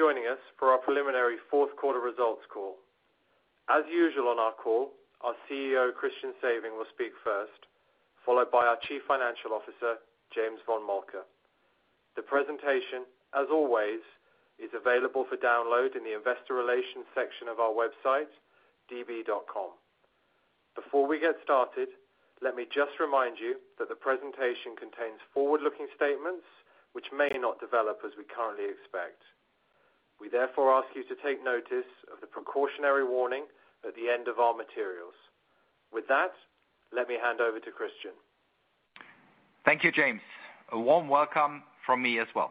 All for joining us for our preliminary fourth quarter results call. As usual on our call, our CEO, Christian Sewing, will speak first, followed by our Chief Financial Officer, James von Moltke. The presentation, as always, is available for download in the investor relations section of our website, db.com. Before we get started, let me just remind you that the presentation contains forward-looking statements which may not develop as we currently expect. We therefore ask you to take notice of the precautionary warning at the end of our materials. With that, let me hand over to Christian. Thank you, James. A warm welcome from me as well.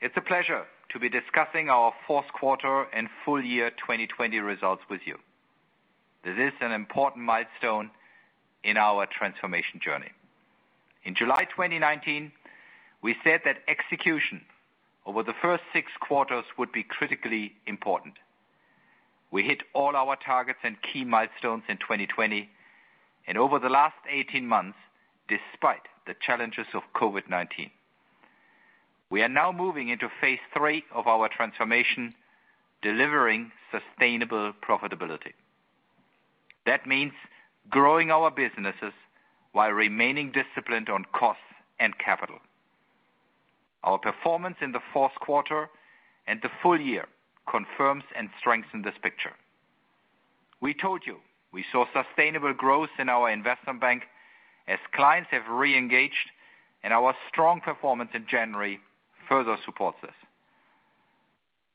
It is a pleasure to be discussing our fourth quarter and full year 2020 results with you. This is an important milestone in our transformation journey. In July 2019, we said that execution over the first six quarters would be critically important. We hit all our targets and key milestones in 2020 and over the last 18 months, despite the challenges of COVID-19. We are now moving into phase three of our transformation, delivering sustainable profitability. That means growing our businesses while remaining disciplined on costs and capital. Our performance in the fourth quarter and the full year confirms and strengthens this picture. We told you we saw sustainable growth in our investment bank as clients have re-engaged, and our strong performance in January further supports this.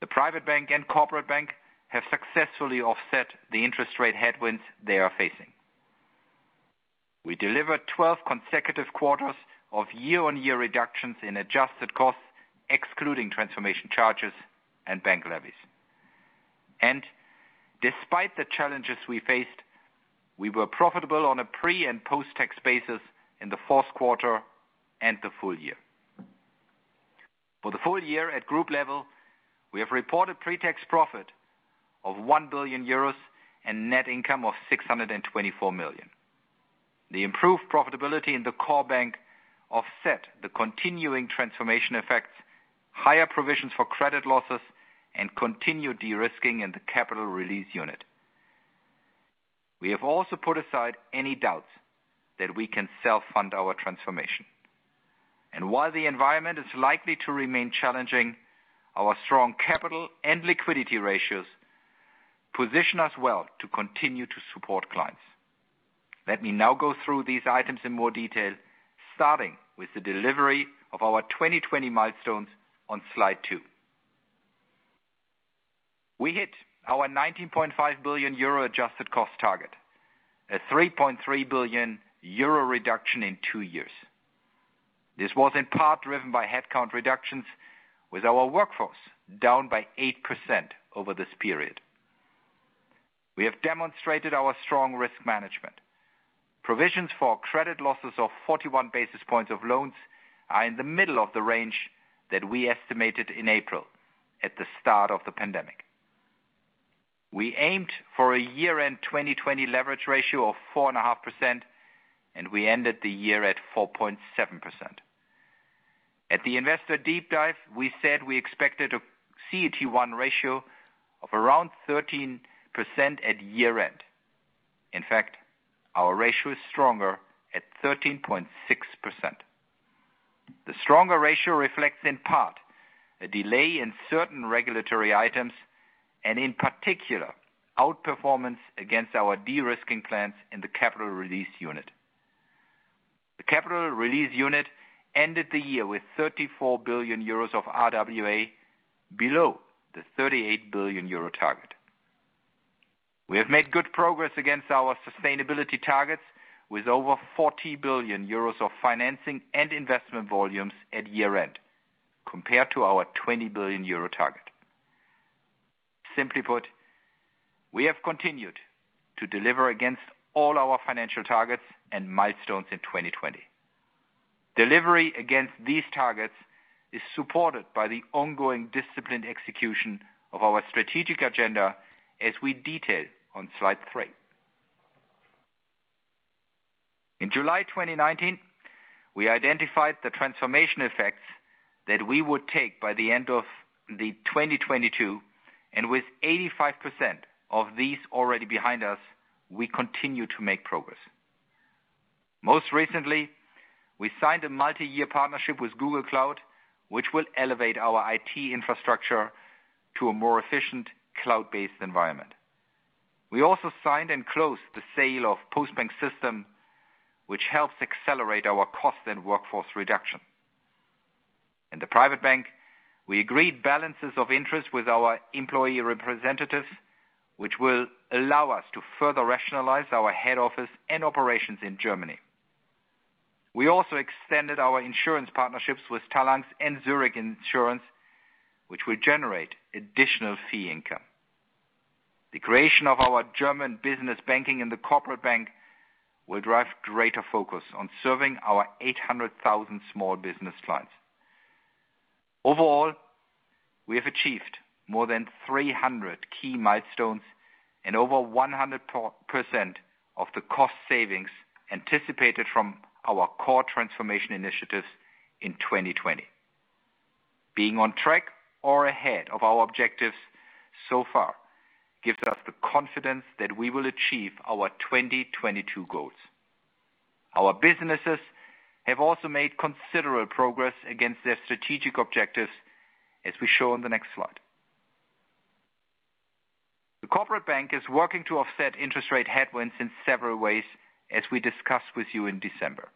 The private bank and corporate bank have successfully offset the interest rate headwinds they are facing. We delivered 12 consecutive quarters of year-on-year reductions in adjusted costs, excluding transformation charges and bank levies. Despite the challenges we faced, we were profitable on a pre and post-tax basis in the fourth quarter and the full year. For the full year at group level, we have reported pre-tax profit of 1 billion euros and net income of 624 million. The improved profitability in the core bank offset the continuing transformation effects, higher provisions for credit losses, and continued de-risking in the Capital Release Unit. We have also put aside any doubts that we can self-fund our transformation. While the environment is likely to remain challenging, our strong capital and liquidity ratios position us well to continue to support clients. Let me now go through these items in more detail, starting with the delivery of our 2020 milestones on slide two. We hit our 19.5 billion euro adjusted cost target, a 3.3 billion euro reduction in two years. This was in part driven by headcount reductions, with our workforce down by 8% over this period. We have demonstrated our strong risk management. Provisions for credit losses of 41 basis points of loans are in the middle of the range that we estimated in April at the start of the pandemic. We aimed for a year-end 2020 leverage ratio of 4.5%, and we ended the year at 4.7%. At the Investor Deep Dive, we said we expected a CET1 ratio of around 13% at year-end. In fact, our ratio is stronger at 13.6%. The stronger ratio reflects in part a delay in certain regulatory items and, in particular, outperformance against our de-risking plans in the Capital Release Unit. The Capital Release Unit ended the year with 34 billion euros of RWA below the 38 billion euro target. We have made good progress against our sustainability targets, with over 40 billion euros of financing and investment volumes at year-end compared to our 20 billion euro target. Simply put, we have continued to deliver against all our financial targets and milestones in 2020. Delivery against these targets is supported by the ongoing disciplined execution of our strategic agenda, as we detail on slide three. In July 2019, we identified the transformation effects that we would take by the end of 2022, and with 85% of these already behind us, we continue to make progress. Most recently, we signed a multi-year partnership with Google Cloud, which will elevate our IT infrastructure to a more efficient cloud-based environment. We also signed and closed the sale of Postbank Systems, which helps accelerate our cost and workforce reduction. In the Private Bank, we agreed balances of interest with our employee representatives, which will allow us to further rationalize our head office and operations in Germany. We also extended our insurance partnerships with Talanx and Zurich Insurance, which will generate additional fee income. The creation of our German business banking and the Corporate Bank will drive greater focus on serving our 800,000 small business clients. Overall, we have achieved more than 300 key milestones. Over 100% of the cost savings anticipated from our core transformation initiatives in 2020. Being on track or ahead of our objectives so far gives us the confidence that we will achieve our 2022 goals. Our businesses have also made considerable progress against their strategic objectives, as we show on the next slide. The corporate bank is working to offset interest rate headwinds in several ways, as we discussed with you in December.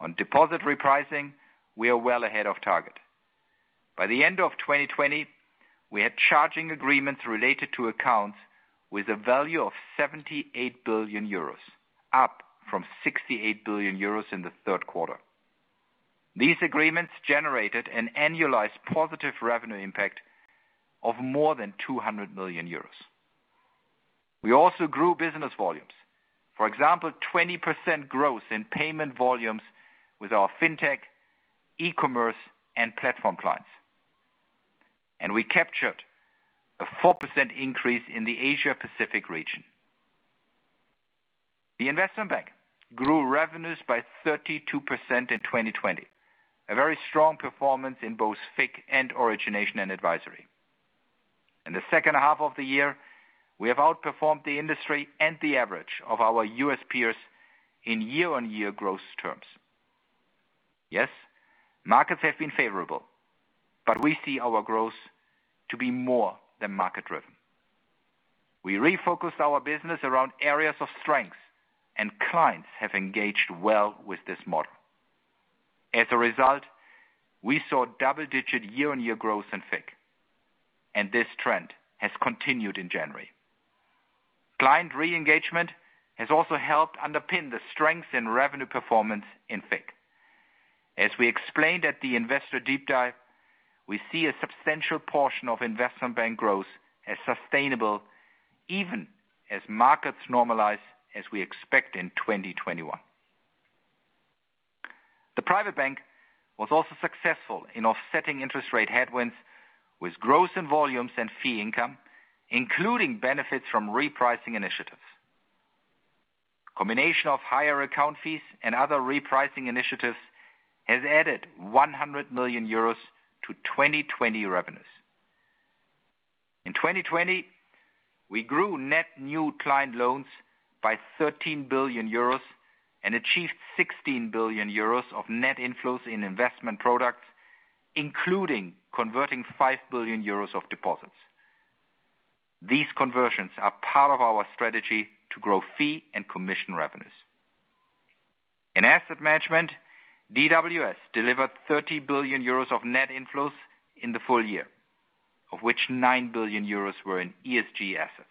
On deposit repricing, we are well ahead of target. By the end of 2020, we had charging agreements related to accounts with a value of 78 billion euros, up from 68 billion euros in the third quarter. These agreements generated an annualized positive revenue impact of more than 200 million euros. We also grew business volumes. For example, 20% growth in payment volumes with our FinTech, e-commerce, and platform clients. We captured a 4% increase in the Asia Pacific region. The investment bank grew revenues by 32% in 2020. A very strong performance in both FIC and Origination and Advisory. In the second half of the year, we have outperformed the industry and the average of our U.S. peers in year-on-year growth terms. Yes, markets have been favorable, but we see our growth to be more than market-driven. We refocused our business around areas of strength, and clients have engaged well with this model. As a result, we saw double-digit year-on-year growth in FIC, and this trend has continued in January. Client re-engagement has also helped underpin the strength in revenue performance in FIC. As we explained at the Investor Deep Dive, we see a substantial portion of investment bank growth as sustainable, even as markets normalize, as we expect in 2021. The private bank was also successful in offsetting interest rate headwinds with growth in volumes and fee income, including benefits from repricing initiatives. Combination of higher account fees and other repricing initiatives has added 100 million euros to 2020 revenues. In 2020, we grew net new client loans by 13 billion euros and achieved 16 billion euros of net inflows in investment products, including converting 5 billion euros of deposits. These conversions are part of our strategy to grow fee and commission revenues. In Asset Management, DWS delivered 30 billion euros of net inflows in the full year, of which 9 billion euros were in ESG assets.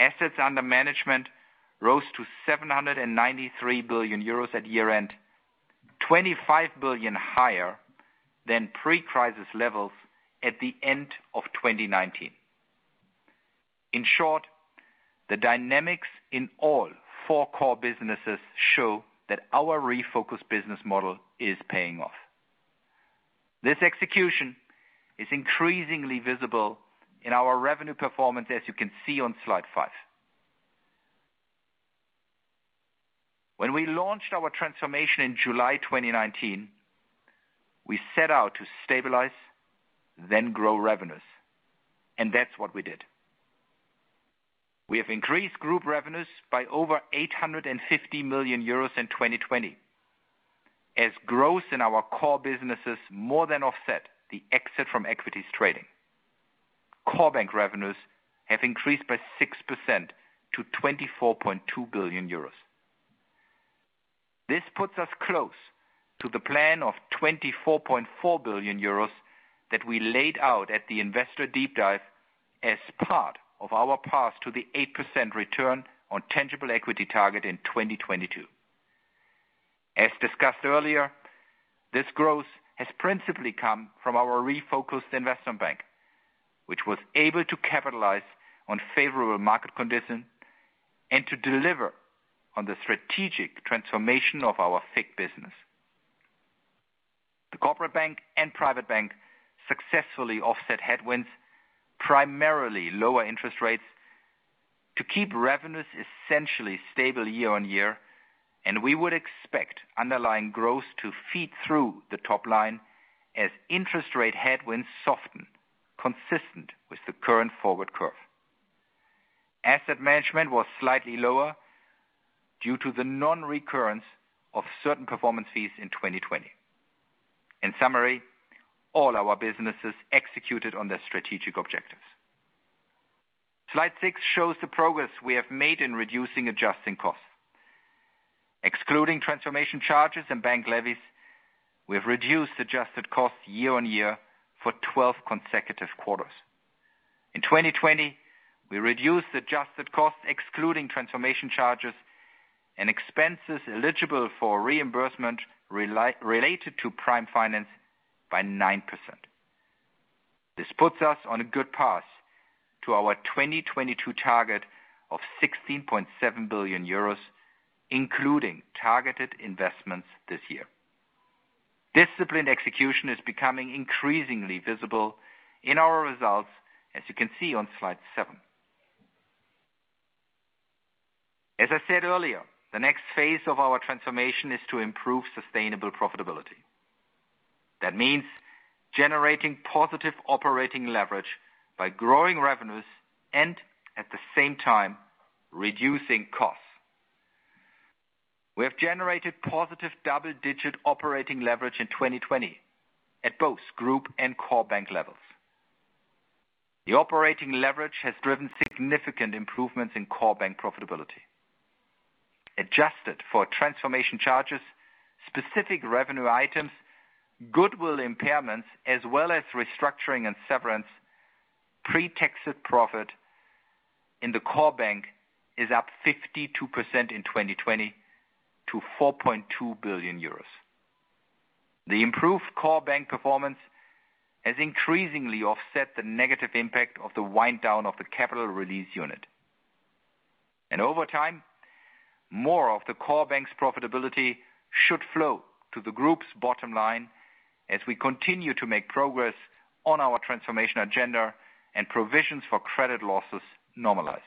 Assets under management rose to 793 billion euros at year-end, 25 billion higher than pre-crisis levels at the end of 2019. In short, the dynamics in all four core businesses show that our refocused business model is paying off. This execution is increasingly visible in our revenue performance, as you can see on slide five. When we launched our transformation in July 2019, we set out to stabilize, then grow revenues. That's what we did. We have increased group revenues by over 850 million euros in 2020, as growth in our core businesses more than offset the exit from equities trading. Core bank revenues have increased by 6% to 24.2 billion euros. This puts us close to the plan of 24.4 billion euros that we laid out at the Investor Deep Dive as part of our path to the 8% return on tangible equity target in 2022. As discussed earlier, this growth has principally come from our refocused investment bank, which was able to capitalize on favorable market conditions and to deliver on the strategic transformation of our FIC business. The Corporate Bank and Private Bank successfully offset headwinds, primarily lower interest rates, to keep revenues essentially stable year-on-year. We would expect underlying growth to feed through the top line as interest rate headwinds soften, consistent with the current forward curve. Asset Management was slightly lower due to the non-recurrence of certain performance fees in 2020. In summary, all our businesses executed on their strategic objectives. Slide six shows the progress we have made in reducing adjusted costs. Excluding transformation charges and bank levies, we have reduced adjusted costs year-on-year for 12 consecutive quarters. In 2020, we reduced adjusted costs, excluding transformation charges and expenses eligible for reimbursement related to Prime Finance, by 9%. This puts us on a good path to our 2022 target of 16.7 billion euros, including targeted investments this year. Disciplined execution is becoming increasingly visible in our results, as you can see on slide seven. As I said earlier, the next phase of our transformation is to improve sustainable profitability. That means generating positive operating leverage by growing revenues and, at the same time, reducing costs. We have generated positive double-digit operating leverage in 2020 at both group and core bank levels. The operating leverage has driven significant improvements in core bank profitability. Adjusted for transformation charges, specific revenue items, goodwill impairments, as well as restructuring and severance, pre-tax profit in the core bank is up 52% in 2020 to 4.2 billion euros. The improved core bank performance has increasingly offset the negative impact of the wind down of the Capital Release Unit. Over time, more of the core bank's profitability should flow to the group's bottom line as we continue to make progress on our transformation agenda and provisions for credit losses normalize.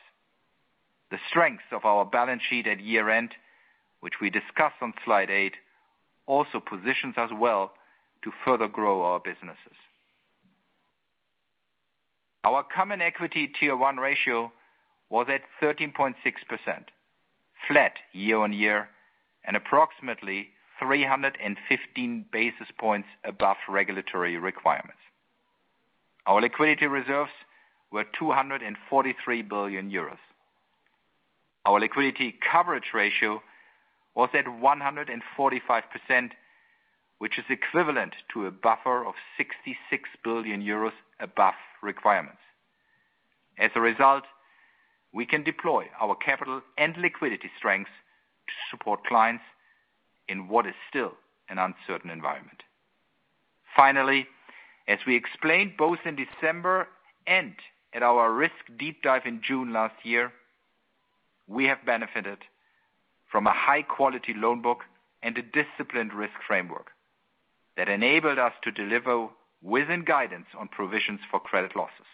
The strength of our balance sheet at year-end, which we discuss on slide eight, also positions us well to further grow our businesses. Our common equity tier one ratio was at 13.6%, flat year-on-year and approximately 315 basis points above regulatory requirements. Our liquidity reserves were 243 billion euros. Our liquidity coverage ratio was at 145%, which is equivalent to a buffer of 66 billion euros above requirements. As a result, we can deploy our capital and liquidity strengths to support clients in what is still an uncertain environment. Finally, as we explained both in December and at our Risk Deep Dive in June last year, we have benefited from a high-quality loan book and a disciplined risk framework that enabled us to deliver within guidance on provisions for credit losses.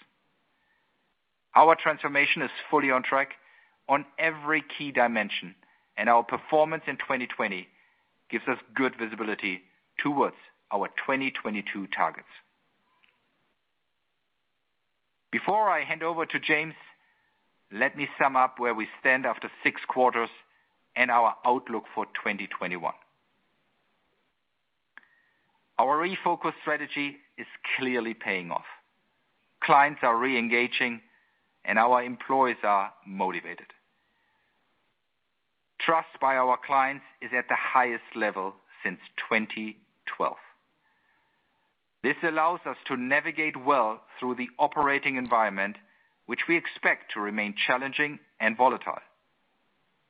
Our transformation is fully on track on every key dimension, and our performance in 2020 gives us good visibility towards our 2022 targets. Before I hand over to James, let me sum up where we stand after six quarters and our outlook for 2021. Our refocused strategy is clearly paying off. Clients are reengaging, and our employees are motivated. Trust by our clients is at the highest level since 2012. This allows us to navigate well through the operating environment, which we expect to remain challenging and volatile.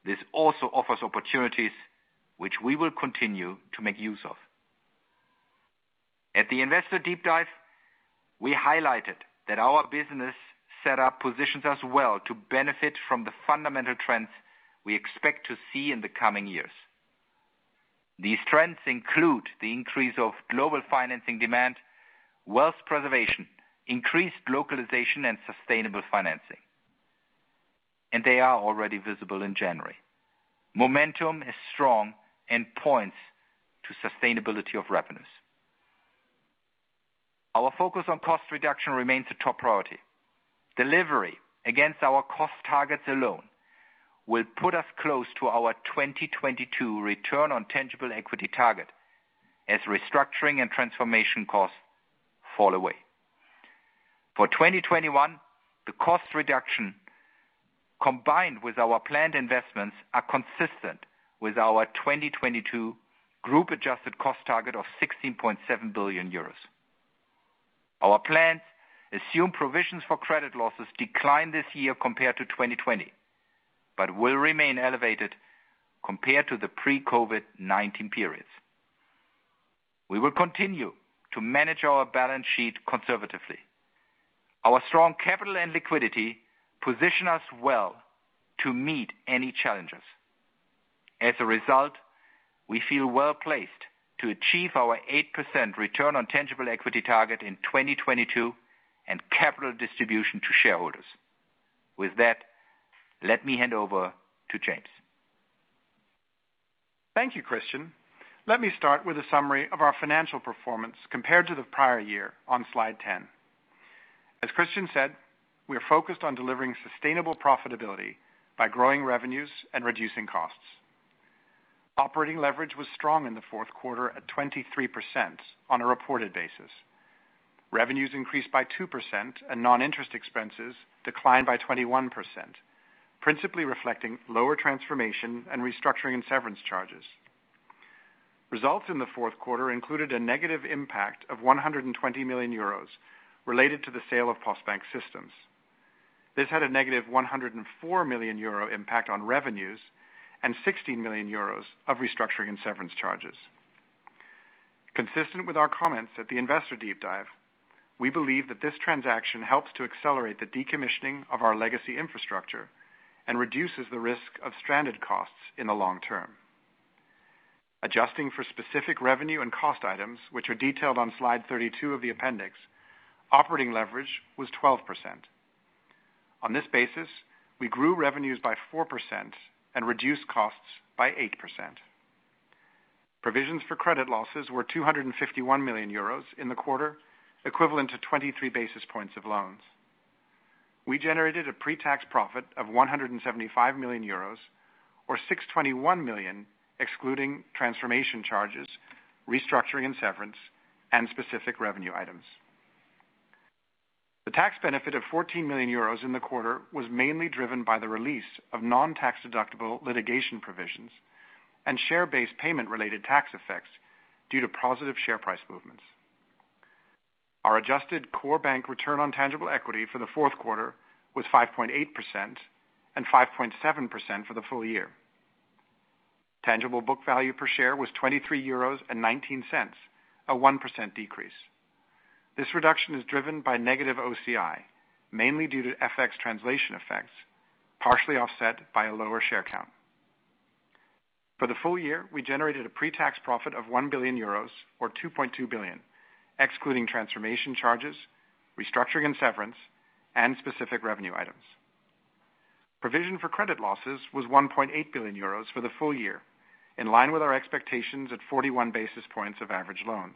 This also offers opportunities which we will continue to make use of. At the Investor Deep Dive, we highlighted that our business setup positions us well to benefit from the fundamental trends we expect to see in the coming years. These trends include the increase of global financing demand, wealth preservation, increased localization, and sustainable financing. They are already visible in January. Momentum is strong and points to sustainability of revenues. Our focus on cost reduction remains a top priority. Delivery against our cost targets alone will put us close to our 2022 return on tangible equity target as restructuring and transformation costs fall away. For 2021, the cost reduction combined with our planned investments are consistent with our 2022 group adjusted cost target of 16.7 billion euros. Our plans assume provisions for credit losses decline this year compared to 2020 but will remain elevated compared to the pre-COVID-19 periods. We will continue to manage our balance sheet conservatively. Our strong capital and liquidity position us well to meet any challenges. As a result, we feel well placed to achieve our 8% return on tangible equity target in 2022 and capital distribution to shareholders. With that, let me hand over to James. Thank you, Christian. Let me start with a summary of our financial performance compared to the prior year on slide 10. As Christian said, we are focused on delivering sustainable profitability by growing revenues and reducing costs. Operating leverage was strong in the fourth quarter at 23% on a reported basis. Revenues increased by 2% and non-interest expenses declined by 21%, principally reflecting lower transformation and restructuring and severance charges. Results in the fourth quarter included a negative impact of 120 million euros related to the sale of Postbank Systems. This had a negative 104 million euro impact on revenues and 16 million euros of restructuring and severance charges. Consistent with our comments at the Investor Deep Dive. we believe that this transaction helps to accelerate the decommissioning of our legacy infrastructure and reduces the risk of stranded costs in the long term. Adjusting for specific revenue and cost items, which are detailed on slide 32 of the appendix, operating leverage was 12%. On this basis, we grew revenues by 4% and reduced costs by 8%. Provisions for credit losses were 251 million euros in the quarter, equivalent to 23 basis points of loans. We generated a pre-tax profit of 175 million euros, or 621 million, excluding transformation charges, restructuring and severance, and specific revenue items. The tax benefit of 14 million euros in the quarter was mainly driven by the release of non-tax-deductible litigation provisions and share-based payment related tax effects due to positive share price movements. Our adjusted core bank return on tangible equity for the fourth quarter was 5.8% and 5.7% for the full year. Tangible book value per share was 23.19 euros, a 1% decrease. This reduction is driven by negative OCI, mainly due to FX translation effects, partially offset by a lower share count. For the full year, we generated a pre-tax profit of 1 billion euros, or 2.2 billion, excluding transformation charges, restructuring and severance, and specific revenue items. Provision for credit losses was 1.8 billion euros for the full year, in line with our expectations at 41 basis points of average loans.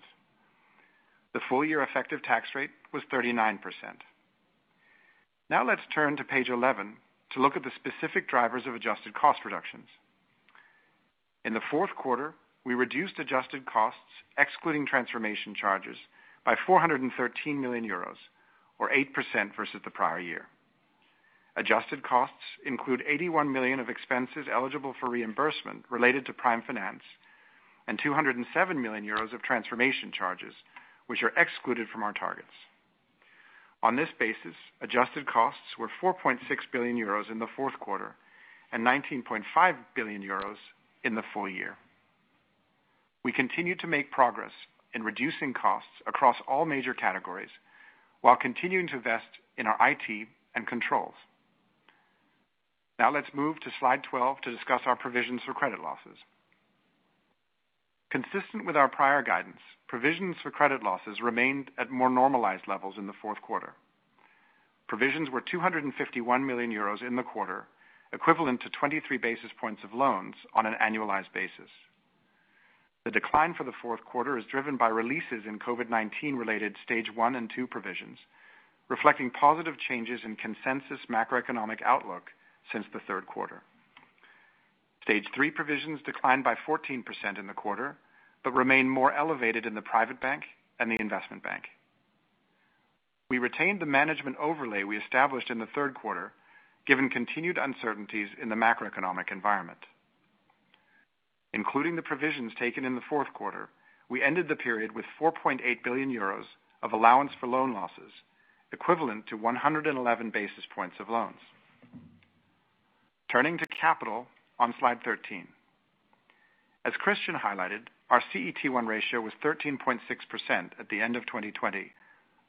The full-year effective tax rate was 39%. Let's turn to page 11 to look at the specific drivers of adjusted cost reductions. In the fourth quarter, we reduced adjusted costs, excluding transformation charges, by 413 million euros, or 8% versus the prior year. Adjusted costs include 81 million of expenses eligible for reimbursement related to Prime Finance, and 207 million euros of transformation charges, which are excluded from our targets. On this basis, adjusted costs were 4.6 billion euros in the fourth quarter and 19.5 billion euros in the full year. We continue to make progress in reducing costs across all major categories while continuing to invest in our IT and controls. Now let's move to slide 12 to discuss our provisions for credit losses. Consistent with our prior guidance, provisions for credit losses remained at more normalized levels in the fourth quarter. Provisions were 251 million euros in the quarter, equivalent to 23 basis points of loans on an annualized basis. The decline for the fourth quarter is driven by releases in COVID-19 related Stage 1 and 2 provisions, reflecting positive changes in consensus macroeconomic outlook since the third quarter. Stage 3 provisions declined by 14% in the quarter, but remain more elevated in the private bank and the investment bank. We retained the management overlay we established in the third quarter, given continued uncertainties in the macroeconomic environment. Including the provisions taken in the fourth quarter, we ended the period with 4.8 billion euros of allowance for loan losses, equivalent to 111 basis points of loans. Turning to capital on slide 13. As Christian highlighted, our CET1 ratio was 13.6% at the end of 2020,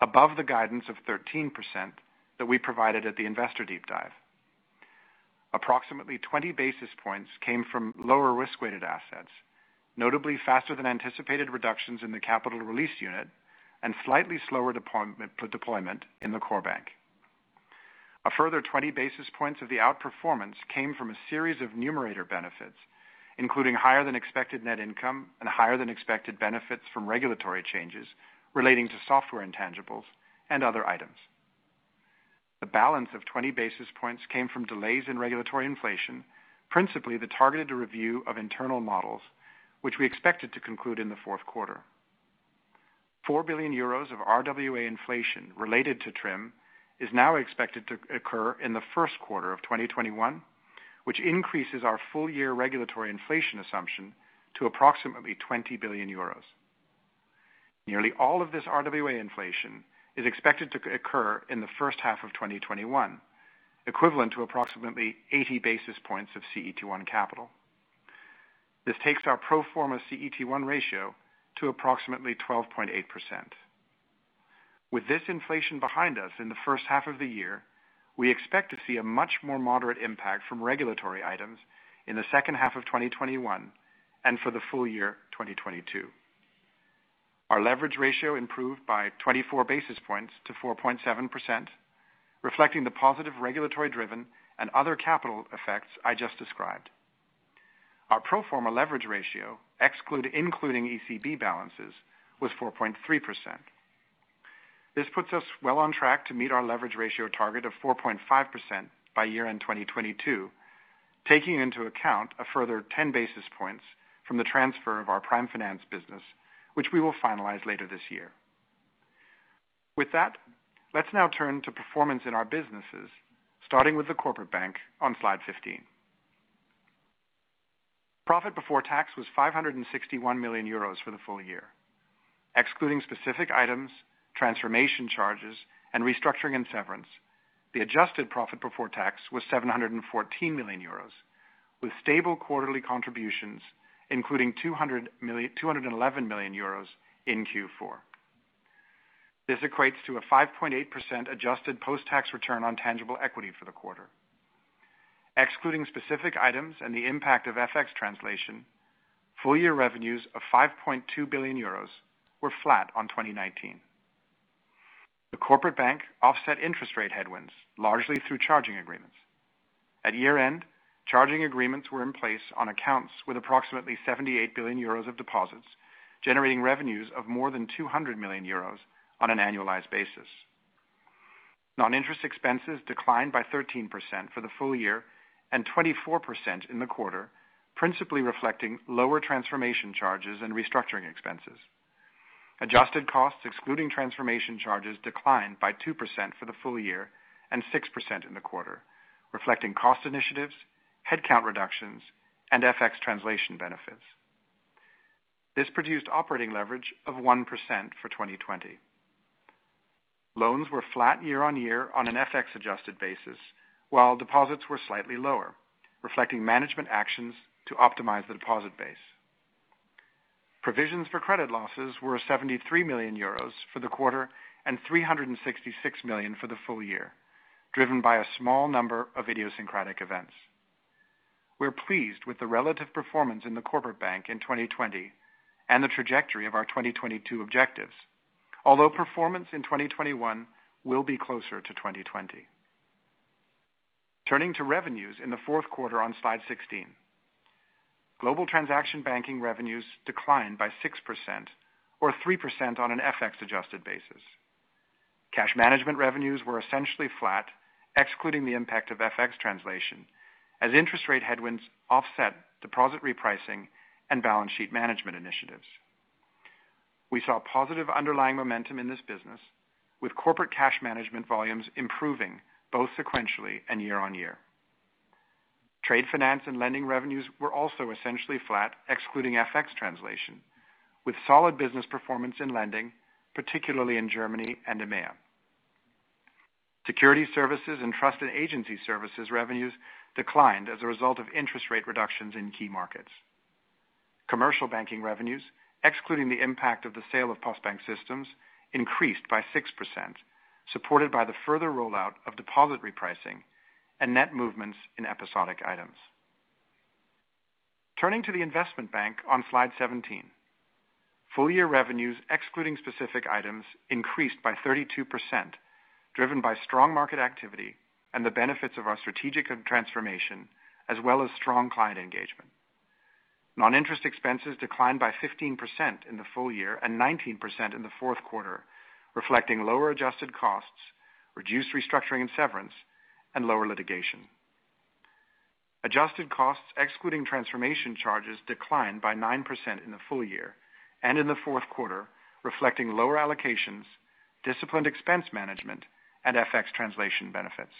above the guidance of 13% that we provided at the Investor Deep Dive. Approximately 20 basis points came from lower risk-weighted assets, notably faster than anticipated reductions in the Capital Release Unit, and slightly slower deployment in the core bank. A further 20 basis points of the outperformance came from a series of numerator benefits, including higher than expected net income and higher than expected benefits from regulatory changes relating to software intangibles and other items. The balance of 20 basis points came from delays in regulatory inflation, principally the Targeted review of internal models, which we expected to conclude in the fourth quarter. 4 billion euros of RWA inflation related to TRIM is now expected to occur in the first quarter of 2021, which increases our full-year regulatory inflation assumption to approximately 20 billion euros. Nearly all of this RWA inflation is expected to occur in the first half of 2021, equivalent to approximately 80 basis points of CET1 capital. This takes our pro forma CET1 ratio to approximately 12.8%. With this inflation behind us in the first half of the year, we expect to see a much more moderate impact from regulatory items in the second half of 2021 and for the full year 2022. Our leverage ratio improved by 24 basis points to 4.7%, reflecting the positive regulatory-driven and other capital effects I just described. Our pro forma leverage ratio, including ECB balances, was 4.3%. This puts us well on track to meet our leverage ratio target of 4.5% by year-end 2022, taking into account a further 10 basis points from the transfer of our Prime Finance business, which we will finalize later this year. With that, let's now turn to performance in our businesses, starting with the Corporate Bank on slide 15. Profit before tax was 561 million euros for the full year. Excluding specific items, transformation charges, and restructuring and severance. The adjusted profit before tax was 714 million euros with stable quarterly contributions, including 211 million euros in Q4. This equates to a 5.8% adjusted post-tax return on tangible equity for the quarter. Excluding specific items and the impact of FX translation, full-year revenues of 5.2 billion euros were flat on 2019. The Corporate Bank offset interest rate headwinds, largely through charging agreements. At year-end, charging agreements were in place on accounts with approximately 78 billion euros of deposits, generating revenues of more than 200 million euros on an annualized basis. Non-interest expenses declined by 13% for the full year and 24% in the quarter, principally reflecting lower transformation charges and restructuring expenses. Adjusted costs, excluding transformation charges, declined by 2% for the full year and 6% in the quarter, reflecting cost initiatives, headcount reductions, and FX translation benefits. This produced operating leverage of 1% for 2020. Loans were flat year-on-year on an FX adjusted basis, while deposits were slightly lower, reflecting management actions to optimize the deposit base. Provisions for credit losses were 73 million euros for the quarter and 366 million for the full year, driven by a small number of idiosyncratic events. We're pleased with the relative performance in the Corporate Bank in 2020 and the trajectory of our 2022 objectives. Although performance in 2021 will be closer to 2020. Turning to revenues in the fourth quarter on slide 16. Global transaction banking revenues declined by 6% or 3% on an FX adjusted basis. Cash management revenues were essentially flat, excluding the impact of FX translation, as interest rate headwinds offset deposit repricing and balance sheet management initiatives. We saw positive underlying momentum in this business, with corporate cash management volumes improving both sequentially and year-on-year. Trade finance and lending revenues were also essentially flat excluding FX translation, with solid business performance in lending, particularly in Germany and EMEA. Securities Services and Trust and Agency Services revenues declined as a result of interest rate reductions in key markets. Commercial banking revenues, excluding the impact of the sale of Postbank Systems, increased by 6%, supported by the further rollout of deposit repricing and net movements in episodic items. Turning to the investment bank on slide 17. Full-year revenues, excluding specific items, increased by 32%, driven by strong market activity and the benefits of our strategic transformation, as well as strong client engagement. Non-interest expenses declined by 15% in the full year and 19% in the fourth quarter, reflecting lower adjusted costs, reduced restructuring and severance, and lower litigation. Adjusted costs, excluding transformation charges, declined by 9% in the full year and in the fourth quarter, reflecting lower allocations, disciplined expense management, and FX translation benefits.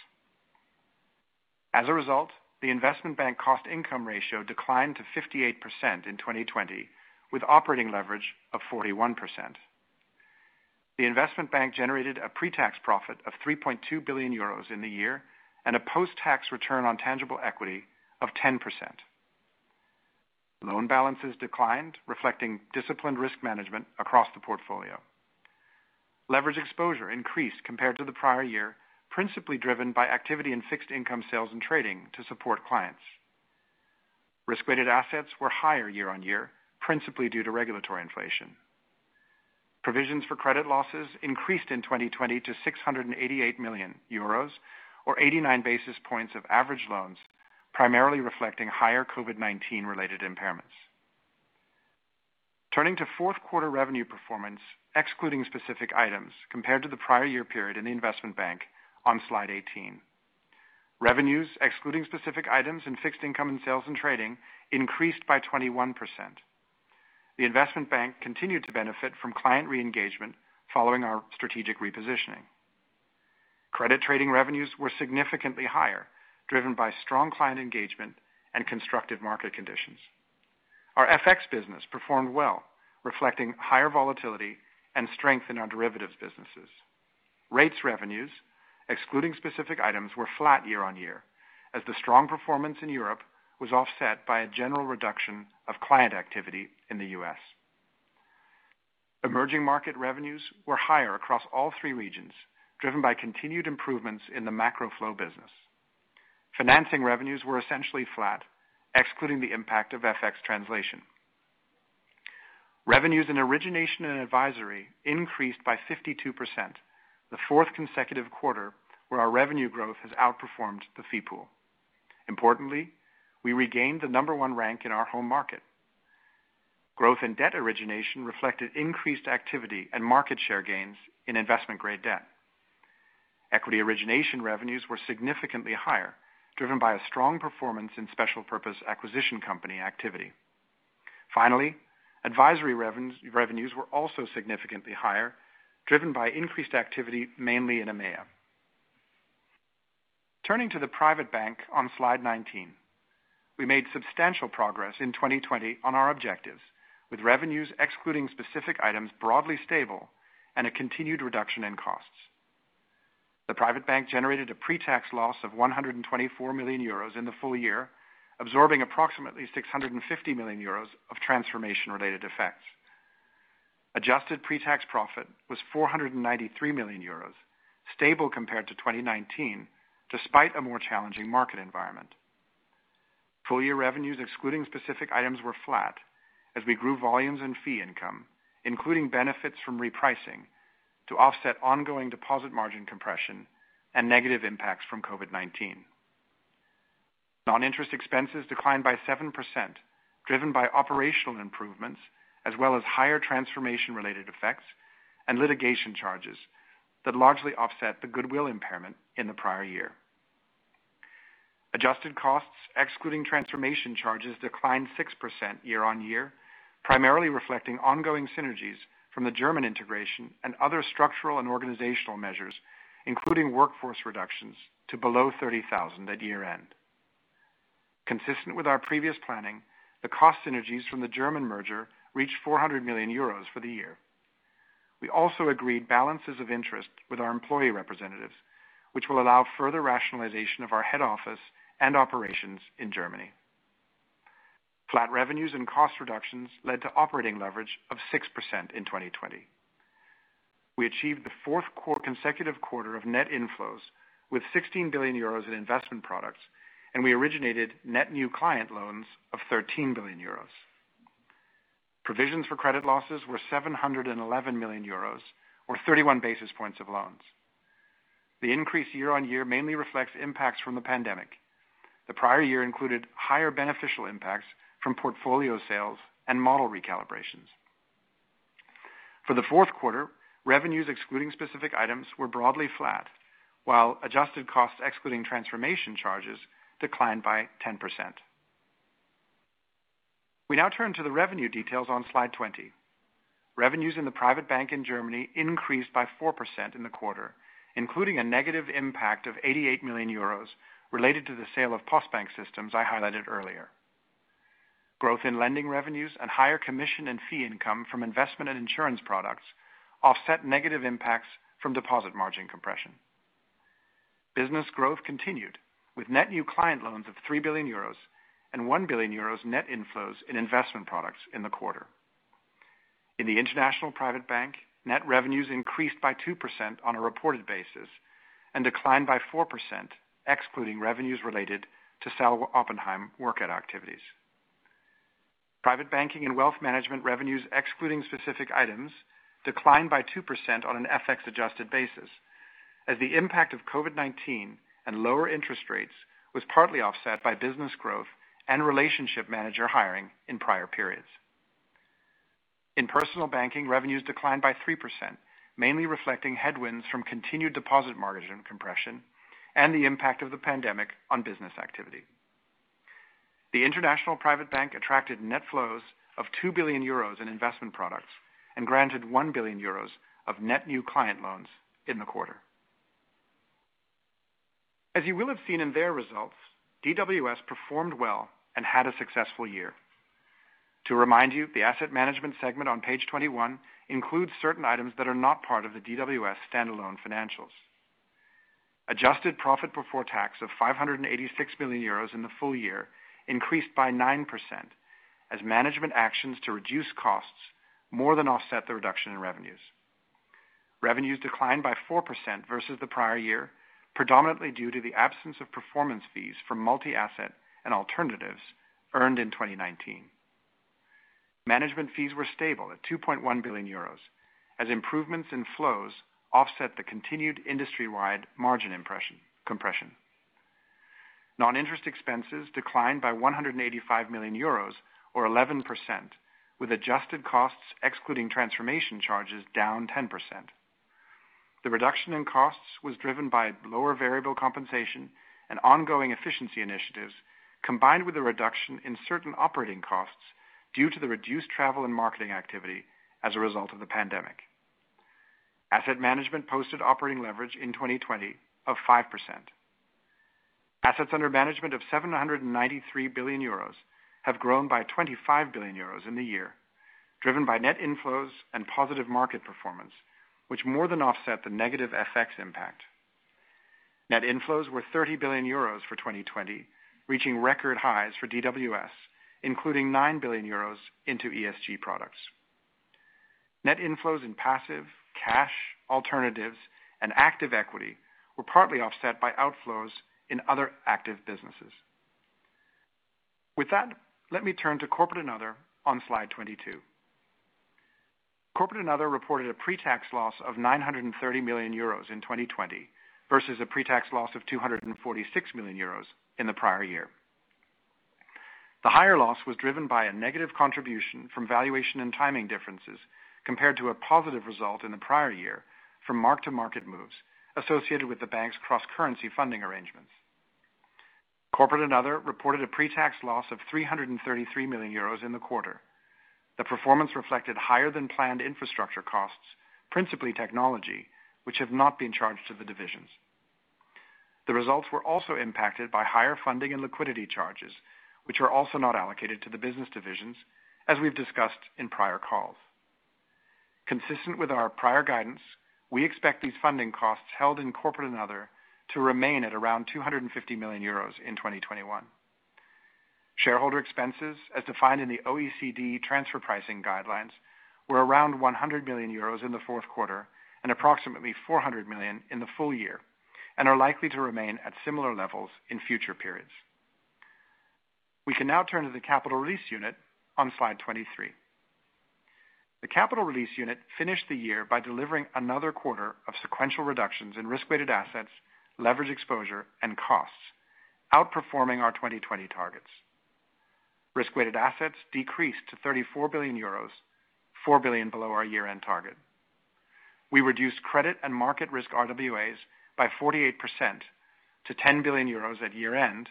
As a result, the investment bank cost-income ratio declined to 58% in 2020, with operating leverage of 41%. The investment bank generated a pre-tax profit of 3.2 billion euros in the year and a post-tax return on tangible equity of 10%. Loan balances declined, reflecting disciplined risk management across the portfolio. Leverage exposure increased compared to the prior year, principally driven by activity in Fixed Income Sales and Trading to support clients. Risk-Weighted Assets were higher year-on-year, principally due to regulatory inflation. Provisions for credit losses increased in 2020 to 688 million euros or 89 basis points of average loans, primarily reflecting higher COVID-19 related impairments. Turning to fourth quarter revenue performance, excluding specific items compared to the prior year period in the Investment Bank on slide 18. Revenues, excluding specific items in Fixed Income and Sales and Trading, increased by 21%. The Investment Bank continued to benefit from client re-engagement following our strategic repositioning. Credit trading revenues were significantly higher, driven by strong client engagement and constructive market conditions. Our FX business performed well, reflecting higher volatility and strength in our derivatives businesses. Rates revenues, excluding specific items, were flat year-over-year as the strong performance in Europe was offset by a general reduction of client activity in the U.S. Emerging market revenues were higher across all three regions, driven by continued improvements in the macro flow business. Financing revenues were essentially flat, excluding the impact of FX translation. Revenues in origination and advisory increased by 52%, the fourth consecutive quarter where our revenue growth has outperformed the fee pool. Importantly, we regained the number one rank in our home market. Growth in debt origination reflected increased activity and market share gains in investment-grade debt. Equity origination revenues were significantly higher, driven by a strong performance in special purpose acquisition company activity. Advisory revenues were also significantly higher, driven by increased activity mainly in EMEA. Turning to the Private Bank on slide 19. We made substantial progress in 2020 on our objectives, with revenues excluding specific items broadly stable and a continued reduction in costs. The Private Bank generated a pre-tax loss of 124 million euros in the full year, absorbing approximately 650 million euros of transformation-related effects. Adjusted pre-tax profit was 493 million euros, stable compared to 2019, despite a more challenging market environment. Full-year revenues excluding specific items were flat as we grew volumes and fee income, including benefits from repricing, to offset ongoing deposit margin compression and negative impacts from COVID-19. Non-interest expenses declined by 7%, driven by operational improvements as well as higher transformation-related effects and litigation charges that largely offset the goodwill impairment in the prior year. Adjusted costs, excluding transformation charges, declined 6% year-on-year, primarily reflecting ongoing synergies from the German integration and other structural and organizational measures, including workforce reductions to below 30,000 at year-end. Consistent with our previous planning, the cost synergies from the German merger reached 400 million euros for the year. We also agreed balances of interest with our employee representatives, which will allow further rationalization of our head office and operations in Germany. Flat revenues and cost reductions led to operating leverage of 6% in 2020. We achieved the fourth consecutive quarter of net inflows with 16 billion euros in investment products, and we originated net new client loans of 13 billion euros. Provisions for credit losses were 711 million euros, or 31 basis points of loans. The increase year-on-year mainly reflects impacts from the pandemic. The prior year included higher beneficial impacts from portfolio sales and model recalibrations. For the fourth quarter, revenues excluding specific items were broadly flat, while adjusted costs excluding transformation charges declined by 10%. We now turn to the revenue details on slide 20. Revenues in the Private Bank in Germany increased by 4% in the quarter, including a negative impact of EUR 88 million related to the sale of Postbank Systems I highlighted earlier. Growth in lending revenues and higher commission and fee income from investment and insurance products offset negative impacts from deposit margin compression. Business growth continued with net new client loans of 3 billion euros and 1 billion euros net inflows in investment products in the quarter. In the international Private Bank, net revenues increased by 2% on a reported basis and declined by 4%, excluding revenues related to Sal. Oppenheim workout activities. Private Banking and Wealth Management revenues, excluding specific items, declined by 2% on an FX adjusted basis, as the impact of COVID-19 and lower interest rates was partly offset by business growth and relationship manager hiring in prior periods. In Personal Banking, revenues declined by 3%, mainly reflecting headwinds from continued deposit margin compression and the impact of the pandemic on business activity. The international Private Bank attracted net flows of 2 billion euros in investment products and granted 1 billion euros of net new client loans in the quarter. As you will have seen in their results, DWS performed well and had a successful year. To remind you, the Asset Management segment on page 21 includes certain items that are not part of the DWS standalone financials. Adjusted profit before tax of 586 million euros in the full year increased by 9% as management actions to reduce costs more than offset the reduction in revenues. Revenues declined by 4% versus the prior year, predominantly due to the absence of performance fees from multi-asset and alternatives earned in 2019. Management fees were stable at 2.1 billion euros as improvements in flows offset the continued industry-wide margin compression. Non-interest expenses declined by 185 million euros, or 11%, with adjusted costs excluding transformation charges down 10%. The reduction in costs was driven by lower variable compensation and ongoing efficiency initiatives, combined with a reduction in certain operating costs due to the reduced travel and marketing activity as a result of the pandemic. Asset Management posted operating leverage in 2020 of 5%. Assets under management of 793 billion euros have grown by 25 billion euros in the year, driven by net inflows and positive market performance, which more than offset the negative FX impact. Net inflows were EUR 30 billion for 2020, reaching record highs for DWS, including EUR 9 billion into ESG products. Net inflows in passive, cash, alternatives, and active equity were partly offset by outflows in other active businesses. With that, let me turn to Corporate and Other on slide 22. Corporate and Other reported a pre-tax loss of 930 million euros in 2020 versus a pre-tax loss of 246 million euros in the prior year. The higher loss was driven by a negative contribution from valuation and timing differences, compared to a positive result in the prior year from mark-to-market moves associated with the bank's cross-currency funding arrangements. Corporate and Other reported a pre-tax loss of 333 million euros in the quarter. The performance reflected higher than planned infrastructure costs, principally technology, which have not been charged to the divisions. The results were also impacted by higher funding and liquidity charges, which are also not allocated to the business divisions, as we've discussed in prior calls. Consistent with our prior guidance, we expect these funding costs held in Corporate and Other to remain at around 250 million euros in 2021. Shareholder expenses, as defined in the OECD transfer pricing guidelines, were around 100 million euros in the fourth quarter and approximately 400 million in the full year. Are likely to remain at similar levels in future periods. We can now turn to the Capital Release Unit on slide 23. The Capital Release Unit finished the year by delivering another quarter of sequential reductions in risk-weighted assets, leverage exposure, and costs, outperforming our 2020 targets. Risk-weighted assets decreased to 34 billion euros, 4 billion below our year-end target. We reduced credit and market risk RWAs by 48% to 10 billion euros at year-end,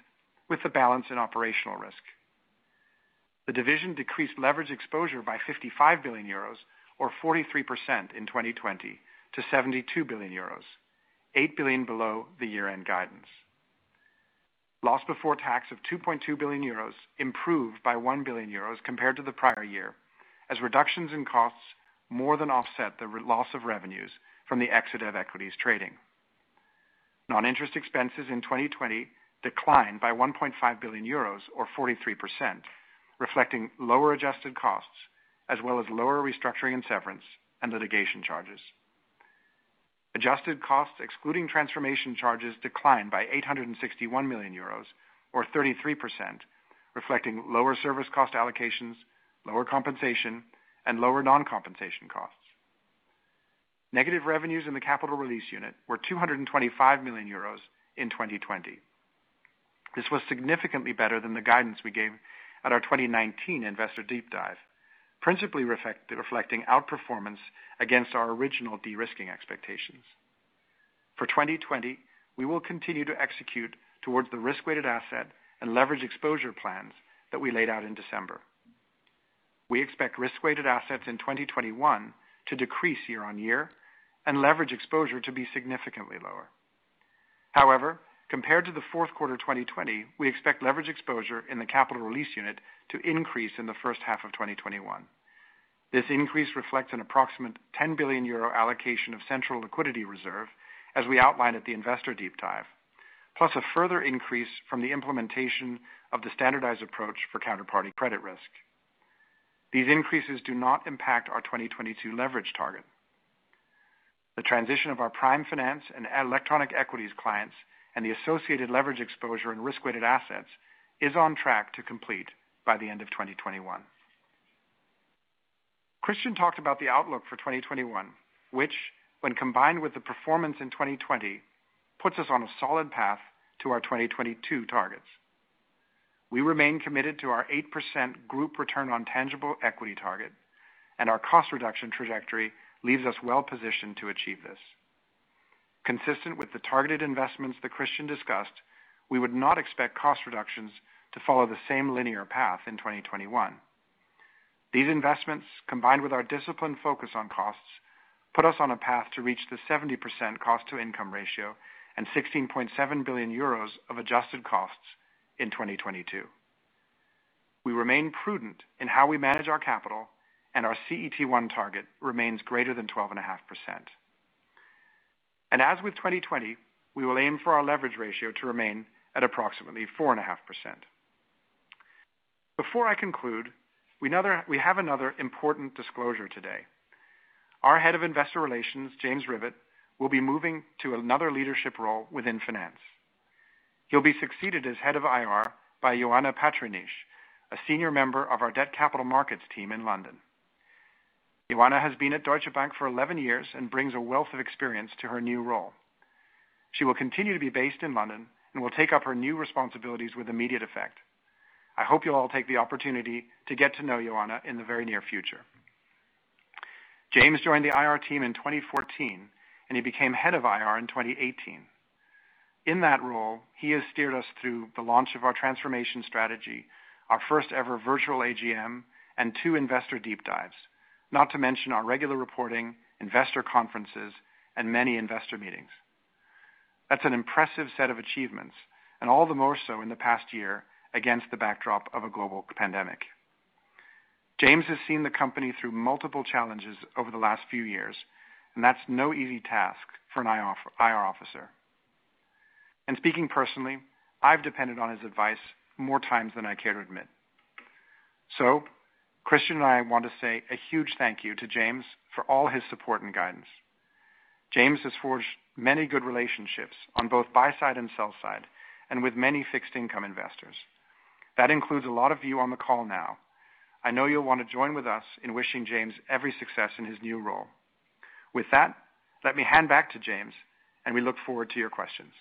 with the balance in operational risk. The division decreased leverage exposure by EUR 55 billion or 43% in 2020 to EUR 72 billion, EUR 8 billion below the year-end guidance. Loss before tax of EUR 2.2 billion improved by EUR 1 billion compared to the prior year, as reductions in costs more than offset the loss of revenues from the exit of equities trading. Non-interest expenses in 2020 declined by 1.5 billion euros or 43%, reflecting lower adjusted costs, as well as lower restructuring and severance and litigation charges. Adjusted costs excluding transformation charges declined by 861 million euros or 33%, reflecting lower service cost allocations, lower compensation, and lower non-compensation costs. Negative revenues in the Capital Release Unit were 225 million euros in 2020. This was significantly better than the guidance we gave at our 2019 Investor Deep Dive, principally reflecting outperformance against our original de-risking expectations. For 2020, we will continue to execute towards the risk-weighted asset and leverage exposure plans that we laid out in December. We expect risk-weighted assets in 2021 to decrease year-on-year and leverage exposure to be significantly lower. Compared to the fourth quarter 2020, we expect leverage exposure in the Capital Release Unit to increase in the first half of 2021. This increase reflects an approximate 10 billion euro allocation of central liquidity reserve as we outlined at the Investor Deep Dive, plus a further increase from the implementation of the standardized approach for counterparty credit risk. These increases do not impact our 2022 leverage target. The transition of our Prime Finance and electronic equities clients and the associated leverage exposure and risk-weighted assets is on track to complete by the end of 2021. Christian talked about the outlook for 2021, which when combined with the performance in 2020, puts us on a solid path to our 2022 targets. We remain committed to our 8% group return on tangible equity target. Our cost reduction trajectory leaves us well positioned to achieve this. Consistent with the targeted investments that Christian discussed, we would not expect cost reductions to follow the same linear path in 2021. These investments, combined with our disciplined focus on costs, put us on a path to reach the 70% cost-to-income ratio and 16.7 billion euros of adjusted costs in 2022. We remain prudent in how we manage our capital. Our CET1 target remains greater than 12.5%. As with 2020, we will aim for our leverage ratio to remain at approximately 4.5%. Before I conclude, we have another important disclosure today. Our Head of Investor Relations, James Rivett, will be moving to another leadership role within finance. He'll be succeeded as Head of IR by Ioana Patriniche, a senior member of our debt capital markets team in London. Ioana has been at Deutsche Bank for 11 years and brings a wealth of experience to her new role. She will continue to be based in London and will take up her new responsibilities with immediate effect. I hope you'll all take the opportunity to get to know Ioana in the very near future. James joined the IR team in 2014, and he became Head of IR in 2018. In that role, he has steered us through the launch of our transformation strategy, our first ever virtual AGM, and two Investor Deep Dives. Not to mention our regular reporting, investor conferences, and many investor meetings. That's an impressive set of achievements, and all the more so in the past year against the backdrop of a global pandemic. James has seen the company through multiple challenges over the last few years, and that's no easy task for an IR officer. Speaking personally, I've depended on his advice more times than I care to admit. Christian and I want to say a huge thank you to James for all his support and guidance. James has forged many good relationships on both buy side and sell side, and with many fixed income investors. That includes a lot of you on the call now. I know you'll want to join with us in wishing James every success in his new role. With that, let me hand back to James, and we look forward to your questions.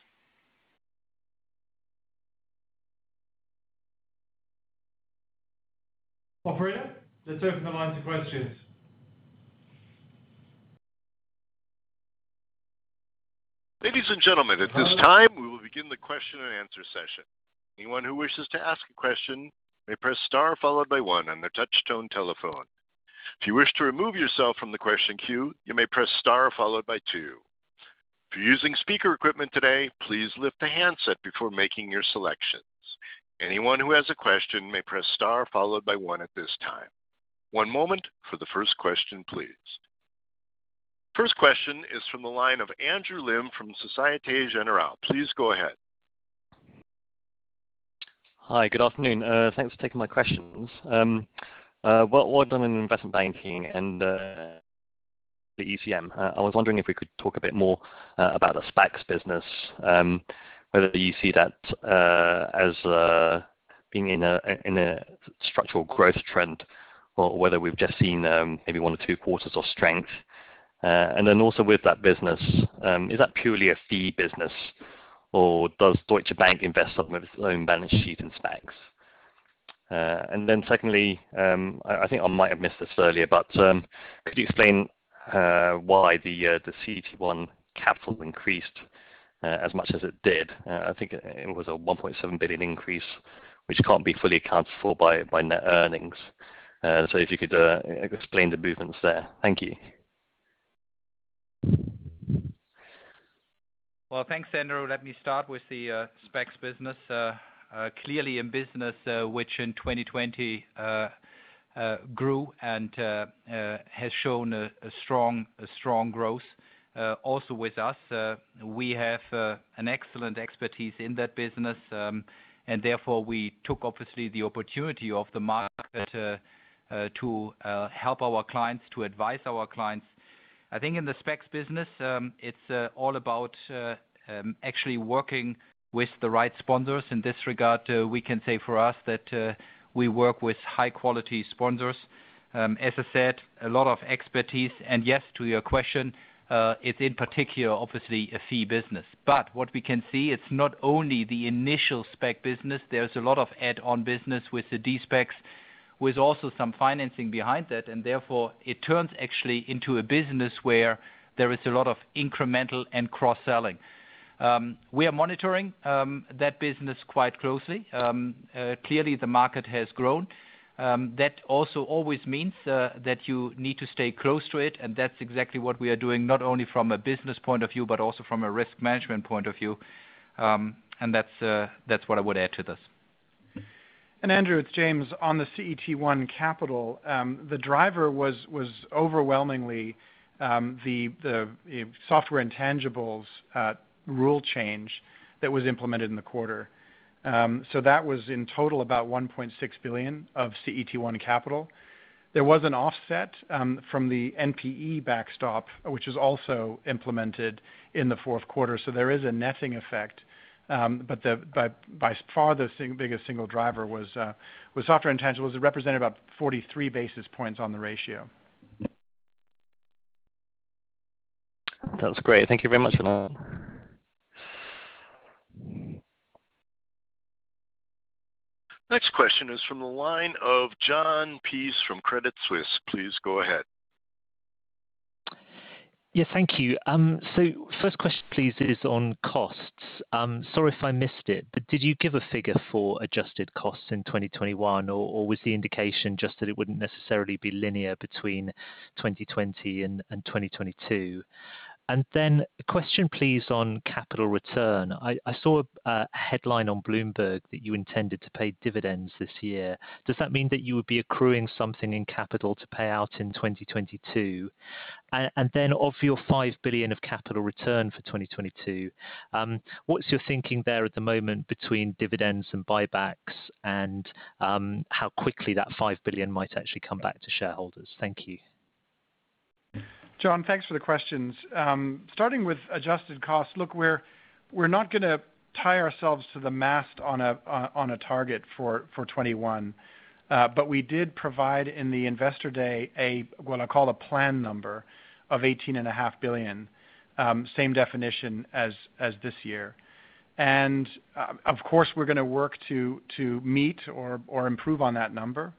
Operator, let's open the line to questions. Ladies and gentlemen, at this time we will begin the question-and-answer session. Anyone who wishes to ask a question may press star followed by one on the touch-tone telephone. If you wish to remove yourself from the question queue, you may press star followed by two. For using speaker equipment today please lift the handset before making your selections. Anyone who has a question may press star followed by one at this time. One moment for the first question please. First question is from the line of Andrew Lim from Societe Generale. Please go ahead. Hi. Good afternoon. Thanks for taking my questions. Well done in Investment Banking and the ECM. I was wondering if we could talk a bit more about the SPACs business, whether you see that as being in a structural growth trend or whether we've just seen maybe one or two quarters of strength. Also with that business, is that purely a fee business or does Deutsche Bank invest some of its own balance sheet in SPACs? Secondly, I think I might have missed this earlier, but could you explain why the CET1 capital increased as much as it did? I think it was a 1.7 billion increase, which can't be fully accounted for by net earnings. If you could explain the movements there. Thank you. Well, thanks, Andrew. Let me start with the SPACs business. Clearly a business which in 2020 grew and has shown a strong growth also with us. We have an excellent expertise in that business, and therefore we took obviously the opportunity of the market to help our clients, to advise our clients. I think in the SPACs business, it's all about actually working with the right sponsors. In this regard, we can say for us that we work with high-quality sponsors. As I said, a lot of expertise, and yes, to your question, it's in particular, obviously a fee business. What we can see, it's not only the initial SPAC business. There's a lot of add-on business with the de-SPACs, with also some financing behind that, and therefore it turns actually into a business where there is a lot of incremental and cross-selling. We are monitoring that business quite closely. Clearly, the market has grown. That also always means that you need to stay close to it, and that's exactly what we are doing, not only from a business point of view, but also from a risk management point of view. That's what I would add to this. Andrew, it's James. On the CET1 capital, the driver was overwhelmingly the software intangibles rule change that was implemented in the quarter. That was in total about 1.6 billion of CET1 capital. There was an offset from the NPE backstop, which is also implemented in the fourth quarter. There is a netting effect. By far the biggest single driver was software intangibles. It represented about 43 basis points on the ratio. That's great. Thank you very much for that. Next question is from the line of Jon Peace from Credit Suisse. Please go ahead. Yeah. Thank you. First question, please, is on costs. Sorry if I missed it, did you give a figure for adjusted costs in 2021, or was the indication just that it wouldn't necessarily be linear between 2020 and 2022? A question, please, on capital return. I saw a headline on Bloomberg that you intended to pay dividends this year. Does that mean that you would be accruing something in capital to pay out in 2022? Of your 5 billion of capital return for 2022, what's your thinking there at the moment between dividends and buybacks and how quickly that 5 billion might actually come back to shareholders? Thank you. Jon, thanks for the questions. Starting with adjusted costs, we're not going to tie ourselves to the mast on a target for 2021. We did provide in the investor day a what I call a plan number of 18.5 billion. Same definition as this year. Of course, we're going to work to meet or improve on that number.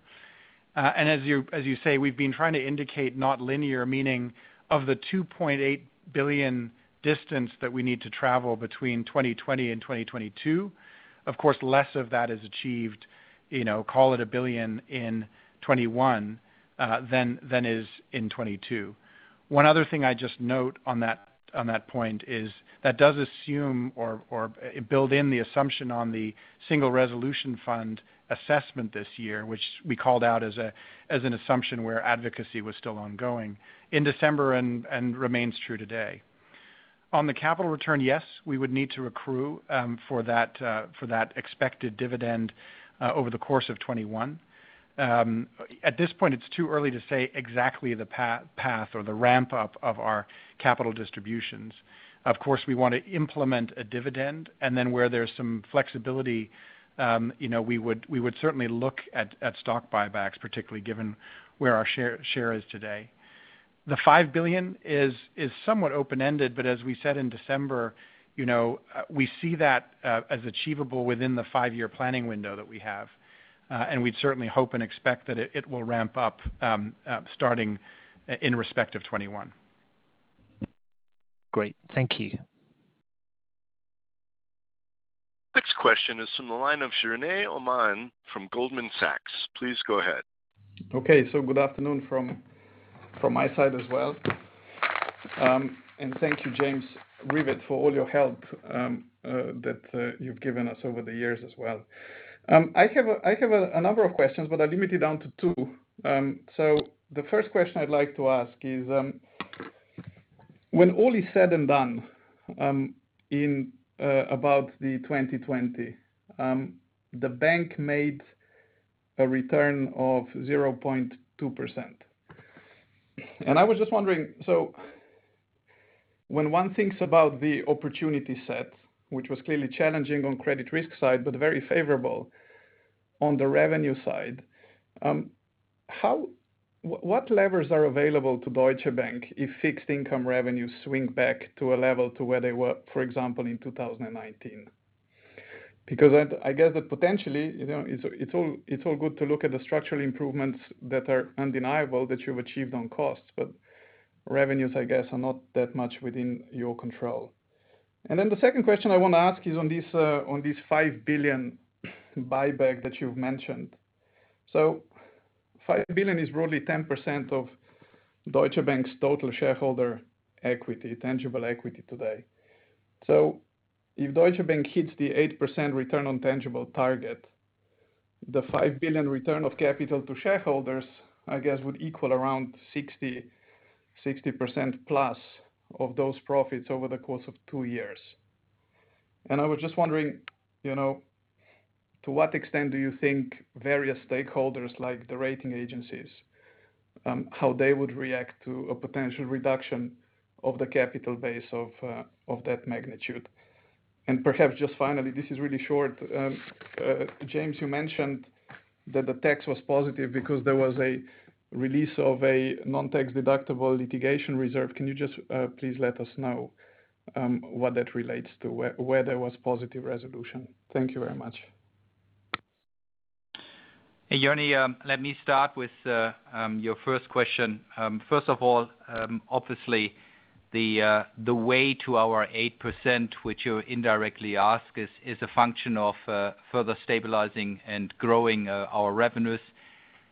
As you say, we've been trying to indicate not linear, meaning of the 2.8 billion distance that we need to travel between 2020 and 2022, of course less of that is achieved, call it 1 billion in 2021 than is in 2022. One other thing I'd just note on that point is that does assume or build in the assumption on the Single Resolution Fund assessment this year, which we called out as an assumption where advocacy was still ongoing in December and remains true today. On the capital return, yes, we would need to accrue for that expected dividend over the course of 2021. At this point, it's too early to say exactly the path or the ramp-up of our capital distributions. Of course, we want to implement a dividend, and then where there's some flexibility, we would certainly look at stock buybacks, particularly given where our share is today. The 5 billion is somewhat open-ended, but as we said in December, we see that as achievable within the five-year planning window that we have. We'd certainly hope and expect that it will ramp up starting in respect of 2021. Great. Thank you. This question is from the line of Jernej Omahen from Goldman Sachs. Please go ahead. Okay. Good afternoon from my side as well. Thank you, James Rivett, for all your help that you've given us over the years as well. I have a number of questions, but I limit it down to two. The first question I'd like to ask is, when all is said and done in about the 2020, the bank made a return of 0.2%. I was just wondering, when one thinks about the opportunity set, which was clearly challenging on credit risk side, but very favorable on the revenue side, what levers are available to Deutsche Bank if fixed income revenues swing back to a level to where they were, for example, in 2019? I guess that potentially, it's all good to look at the structural improvements that are undeniable that you've achieved on costs, but revenues, I guess, are not that much within your control. The second question I want to ask is on this 5 billion buyback that you've mentioned. 5 billion is broadly 10% of Deutsche Bank's total shareholder equity, tangible equity today. If Deutsche Bank hits the 8% return on tangible target, the 5 billion return of capital to shareholders, I guess, would equal around 60%+ of those profits over the course of two years. I was just wondering, to what extent do you think various stakeholders like the rating agencies, how they would react to a potential reduction of the capital base of that magnitude? Perhaps just finally, this is really short. James, you mentioned that the tax was positive because there was a release of a non-tax deductible litigation reserve. Can you just please let us know what that relates to, where there was positive resolution? Thank you very much. Hey, Jernej, let me start with your first question. First of all, obviously the way to our 8%, which you indirectly ask is a function of further stabilizing and growing our revenues.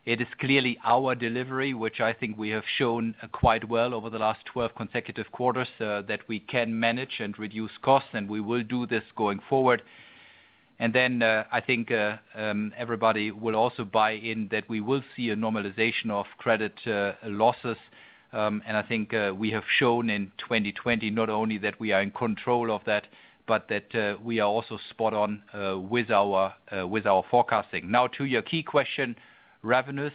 It is clearly our delivery, which I think we have shown quite well over the last 12 consecutive quarters, that we can manage and reduce costs, and we will do this going forward. I think everybody will also buy in that we will see a normalization of credit losses. I think we have shown in 2020, not only that we are in control of that, but that we are also spot on with our forecasting. To your key question, revenues.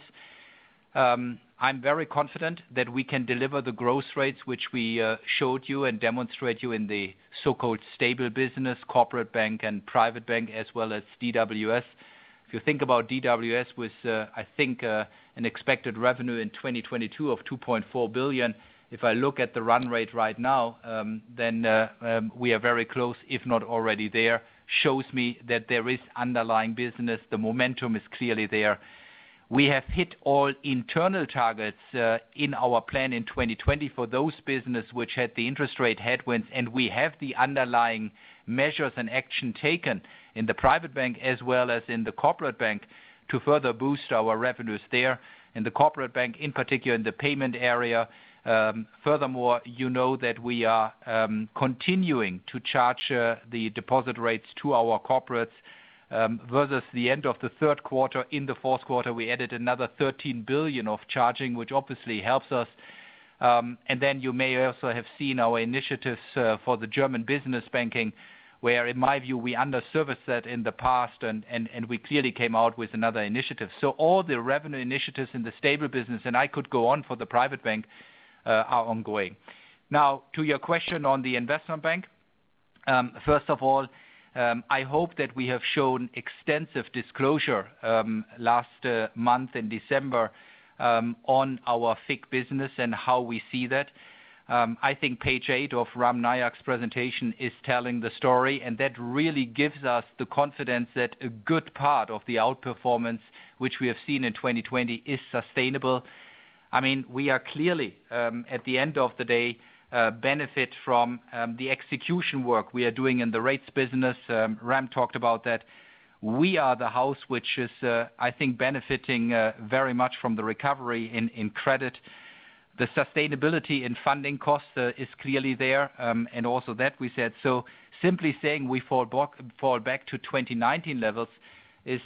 I'm very confident that we can deliver the growth rates, which we showed you and demonstrate you in the so-called stable business Corporate Bank and Private Bank, as well as DWS. If you think about DWS with, I think, an expected revenue in 2022 of 2.4 billion. If I look at the run rate right now, we are very close if not already there. Shows me that there is underlying business. The momentum is clearly there. We have hit all internal targets in our plan in 2020 for those business which had the interest rate headwinds, and we have the underlying measures and action taken in the private bank as well as in the corporate bank to further boost our revenues there in the corporate bank, in particular in the payment area. Furthermore, you know that we are continuing to charge the deposit rates to our corporates versus the end of the third quarter. In the fourth quarter, we added another 13 billion of charging, which obviously helps us. You may also have seen our initiatives for the German business banking, where in my view we underserviced that in the past and we clearly came out with another initiative. All the revenue initiatives in the stable business, and I could go on for the private bank, are ongoing. To your question on the investment bank. I hope that we have shown extensive disclosure last month in December on our FIC business and how we see that. I think page eight of Ram Nayak's presentation is telling the story, and that really gives us the confidence that a good part of the outperformance which we have seen in 2020 is sustainable. We are clearly at the end of the day benefit from the execution work we are doing in the rates business. Ram talked about that. We are the house which is, I think, benefiting very much from the recovery in credit. The sustainability in funding costs is clearly there, and also that we said. Simply saying we fall back to 2019 levels is,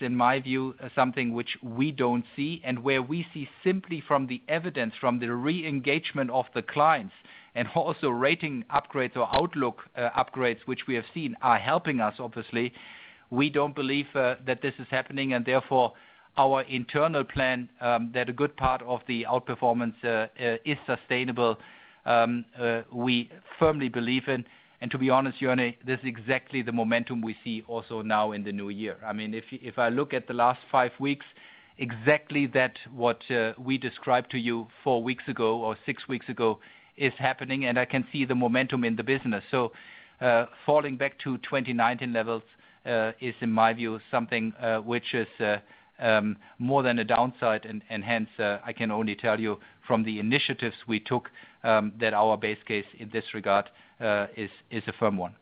in my view, something which we don't see and where we see simply from the evidence, from the re-engagement of the clients and also rating upgrades or outlook upgrades, which we have seen are helping us obviously. We don't believe that this is happening and therefore our internal plan that a good part of the outperformance is sustainable. We firmly believe in, to be honest, Jernej, this is exactly the momentum we see also now in the new year. If I look at the last five weeks, exactly that what we described to you four weeks ago or six weeks ago is happening, and I can see the momentum in the business. Falling back to 2019 levels is in my view something which is more than a downside, and hence, I can only tell you from the initiatives we took that our base case in this regard is a firm one.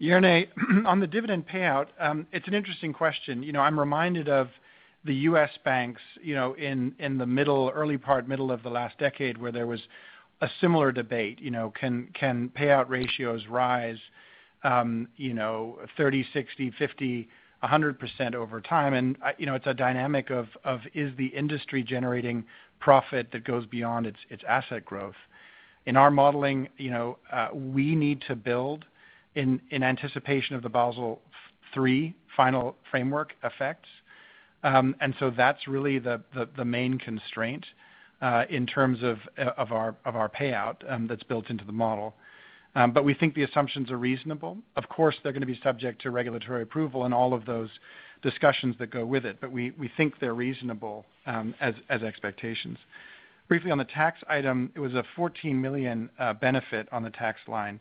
Jernej, on the dividend payout, it's an interesting question. I'm reminded of the U.S. banks in the early part, middle of the last decade, where there was a similar debate. Can payout ratios rise, 30%, 60%, 50%, 100% over time? It's a dynamic of is the industry generating profit that goes beyond its asset growth. In our modeling, we need to build in anticipation of the Basel III final framework effects. That's really the main constraint in terms of our payout that's built into the model. We think the assumptions are reasonable. Of course, they're going to be subject to regulatory approval and all of those discussions that go with it, but we think they're reasonable as expectations. Briefly on the tax item, it was a 14 million benefit on the tax line,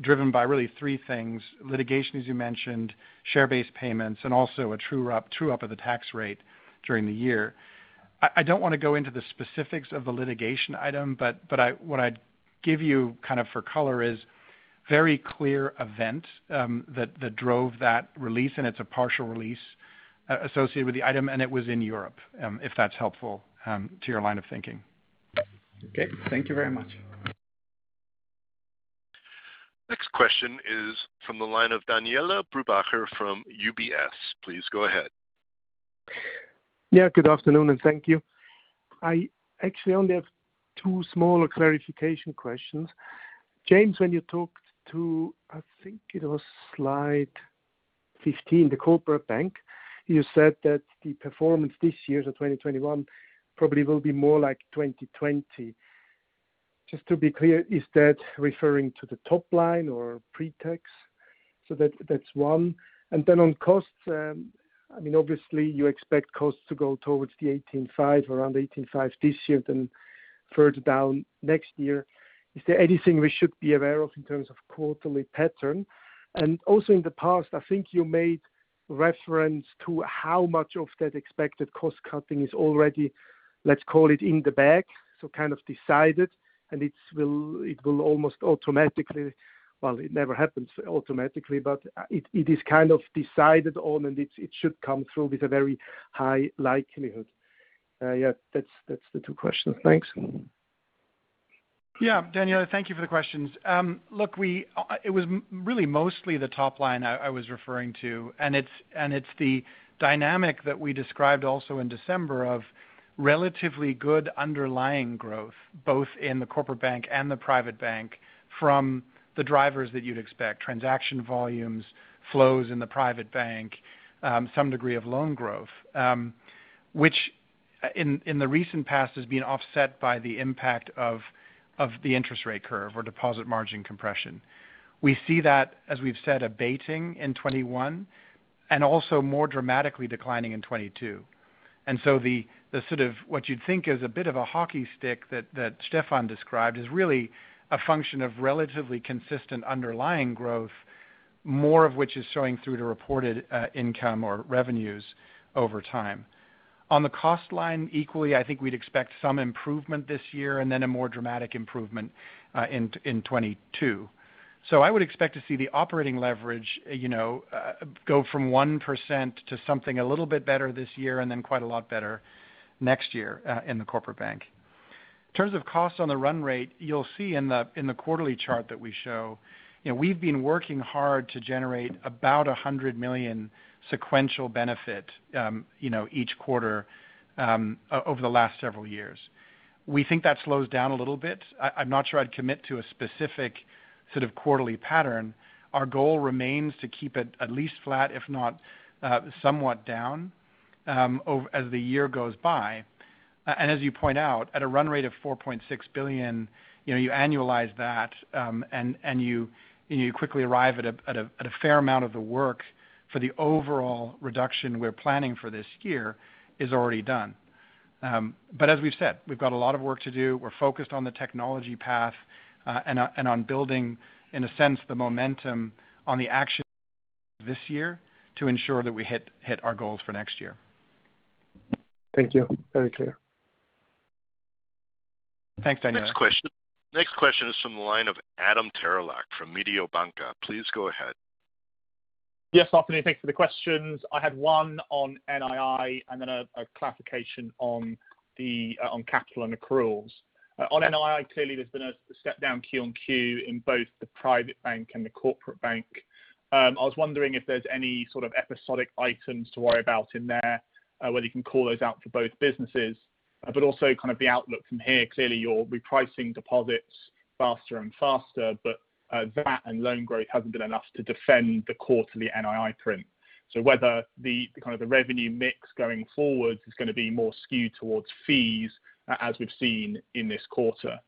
driven by really three things. Litigation, as you mentioned, share-based payments, and also a true-up of the tax rate during the year. I don't want to go into the specifics of the litigation item. What I'd give you for color is very clear event that drove that release. It's a partial release associated with the item. It was in Europe, if that's helpful to your line of thinking. Okay. Thank you very much. Next question is from the line of Daniele Brupbacher from UBS. Please go ahead. Good afternoon, thank you. I actually only have two smaller clarification questions. James, when you talked to, I think it was slide 15, the Corporate Bank, you said that the performance this year, so 2021, probably will be more like 2020. Just to be clear, is that referring to the top line or pre-tax? That's one. Obviously you expect costs to go towards 18.5 billion, around 18.5 billion this year, then further down next year. Is there anything we should be aware of in terms of quarterly pattern? Also in the past, I think you made reference to how much of that expected cost-cutting is already, let's call it, in the bag, so kind of decided, Well, it never happens automatically, but it is kind of decided on, and it should come through with a very high likelihood. Yeah, that's the two questions. Thanks. Yeah. Daniele, thank you for the questions. Look, it was really mostly the top line I was referring to. It's the dynamic that we described also in December of relatively good underlying growth, both in the Corporate Bank and the Private Bank, from the drivers that you'd expect, transaction volumes, flows in the Private Bank, some degree of loan growth which, in the recent past, has been offset by the impact of the interest rate curve or deposit margin compression. We see that, as we've said, abating in 2021, and also more dramatically declining in 2022. What you'd think is a bit of a hockey stick that Stefan described is really a function of relatively consistent underlying growth, more of which is showing through to reported income or revenues over time. On the cost line, equally, I think we'd expect some improvement this year, and then a more dramatic improvement in 2022. I would expect to see the operating leverage go from 1% to something a little bit better this year, and then quite a lot better next year in the corporate bank. In terms of costs on the run rate, you'll see in the quarterly chart that we show, we've been working hard to generate about 100 million sequential benefit each quarter over the last several years. We think that slows down a little bit. I'm not sure I'd commit to a specific sort of quarterly pattern. Our goal remains to keep it at least flat, if not somewhat down, as the year goes by. As you point out, at a run rate of 4.6 billion, you annualize that, and you quickly arrive at a fair amount of the work for the overall reduction we're planning for this year is already done. As we've said, we've got a lot of work to do. We're focused on the technology path, and on building, in a sense, the momentum on the action this year to ensure that we hit our goals for next year. Thank you. Very clear. Thanks, Daniele. Next question is from the line of Adam Terelak from Mediobanca. Please go ahead. Yes, afternoon. Thanks for the questions. I had one on NII, and then a clarification on capital and accruals. On NII, clearly there's been a step down Q-on-Q in both the private bank and the corporate bank. I was wondering if there's any sort of episodic items to worry about in there, whether you can call those out for both businesses, but also kind of the outlook from here. Clearly, you're repricing deposits faster and faster, but that and loan growth hasn't been enough to defend the quarterly NII print. Whether the kind of the revenue mix going forward is going to be more skewed towards fees, as we've seen in this quarter.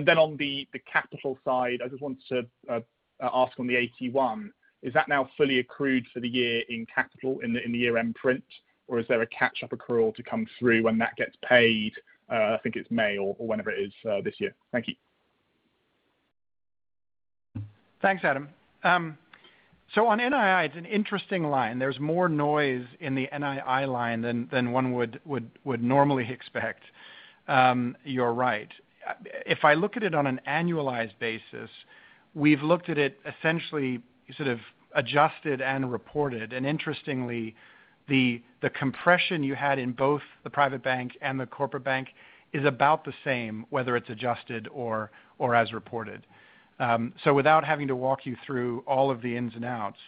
Then on the capital side, I just wanted to ask on the AT1, is that now fully accrued for the year in capital in the year-end print, or is there a catch-up accrual to come through when that gets paid? I think it's May or whenever it is this year. Thank you. Thanks, Adam. On NII, it's an interesting line. There's more noise in the NII line than one would normally expect. You're right. If I look at it on an annualized basis, we've looked at it essentially sort of adjusted and reported. Interestingly, the compression you had in both the private bank and the corporate bank is about the same, whether it's adjusted or as reported. Without having to walk you through all of the ins and outs,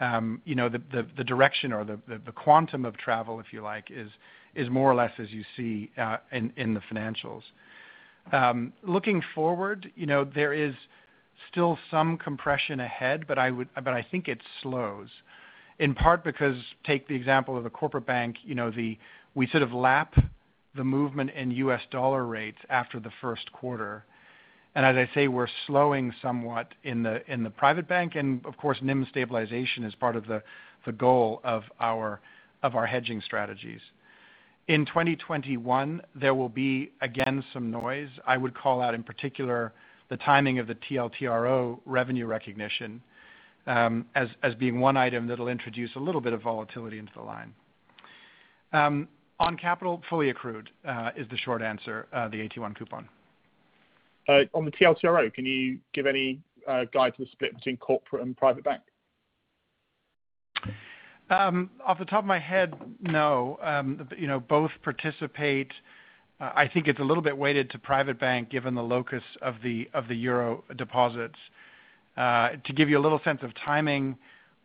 the direction or the quantum of travel, if you like, is more or less as you see in the financials. Looking forward, there is still some compression ahead, but I think it slows in part because take the example of the corporate bank, we sort of lap the movement in U.S. dollar rates after the first quarter. As I say, we're slowing somewhat in the private bank and, of course, NIM stabilization is part of the goal of our hedging strategies. In 2021, there will be, again, some noise. I would call out in particular the timing of the TLTRO revenue recognition as being one item that'll introduce a little bit of volatility into the line. On capital, fully accrued is the short answer, the AT1 coupon. On the TLTRO, can you give any guide to the split between corporate and private bank? Off the top of my head, no. Both participate. I think it's a little bit weighted to private bank, given the locus of the euro deposits. To give you a little sense of timing,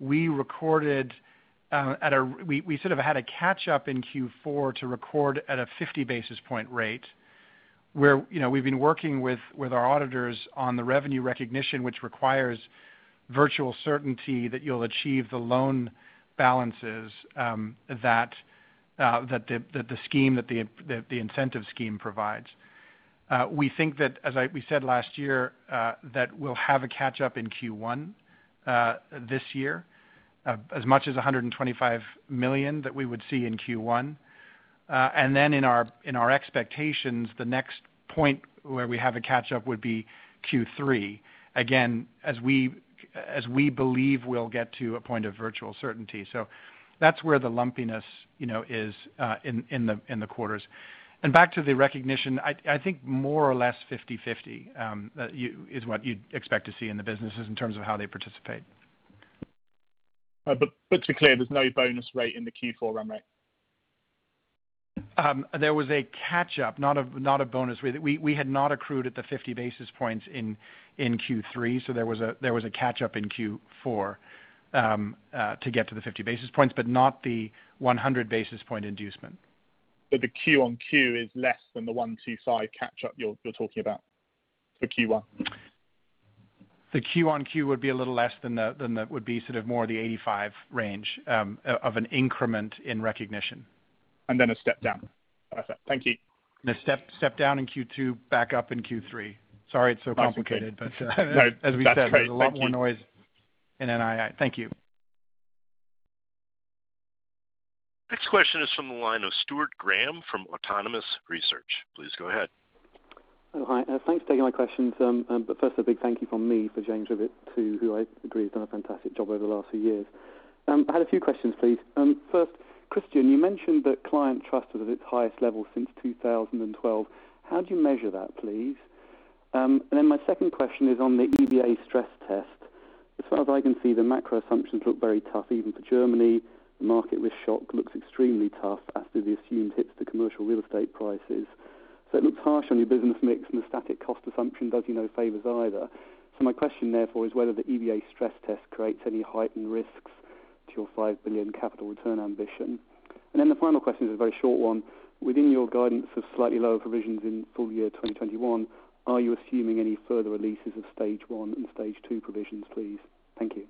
we sort of had a catch-up in Q4 to record at a 50-basis point rate, where we've been working with our auditors on the revenue recognition, which requires virtual certainty that you'll achieve the loan balances that the incentive scheme provides. We think that, as we said last year, that we'll have a catch-up in Q1 this year, as much as 125 million that we would see in Q1. Then in our expectations, the next point where we have a catch-up would be Q3, again, as we believe we'll get to a point of virtual certainty. That's where the lumpiness is in the quarters. Back to the recognition, I think more or less 50/50 is what you'd expect to see in the businesses in terms of how they participate. To be clear, there's no bonus rate in the Q4 run rate? There was a catch-up, not a bonus rate. We had not accrued at the 50 basis points in Q3. There was a catch-up in Q4 to get to the 50 basis points, but not the 100-basis point inducement. The Q-on-Q is less than the 125 million catch-up you're talking about for Q1? The Q-on-Q would be a little less than that, would be sort of more the 85 million range of an increment in recognition. A step down. Perfect. Thank you. A step down in Q2, back up in Q3. Sorry it's so complicated. No, that's great. Thank you. As we said, there's a lot more noise in NII. Thank you. Next question is from the line of Stuart Graham from Autonomous Research. Please go ahead. Hi. Thanks for taking my questions. First a big thank you from me for James Rivett, too, who I agree has done a fantastic job over the last few years. I had a few questions, please. First, Christian, you mentioned that client trust was at its highest level since 2012. How do you measure that, please? My second question is on the EBA stress test. As far as I can see, the macro assumptions look very tough, even for Germany. The market risk shock looks extremely tough after the assumed hits to commercial real estate prices. It looks harsh on your business mix, and the static cost assumption does you no favors either. My question, therefore, is whether the EBA stress test creates any heightened risks to your 5 billion capital return ambition. The final question is a very short one. Within your guidance of slightly lower provisions in full year 2021, are you assuming any further releases of Stage 1 and Stage 2 provisions, please? Thank you.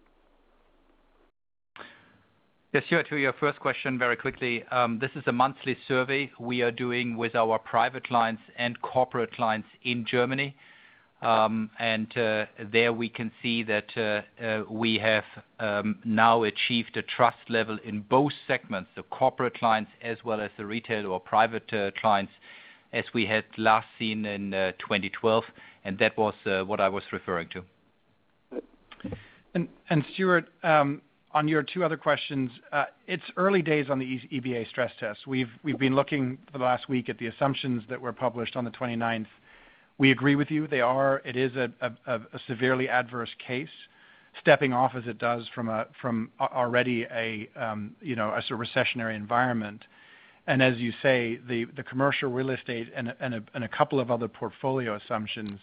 Yes, Stuart, to your first question, very quickly this is a monthly survey we are doing with our private clients and corporate clients in Germany. There we can see that we have now achieved a trust level in both segments, the corporate clients as well as the retail or private clients, as we had last seen in 2012, and that was what I was referring to. Stuart, on your two other questions, it's early days on the EBA stress test. We've been looking for the last week at the assumptions that were published on the 29th. We agree with you. It is a severely adverse case, stepping off as it does from already a sort of recessionary environment. As you say, the commercial real estate and a couple of other portfolio assumptions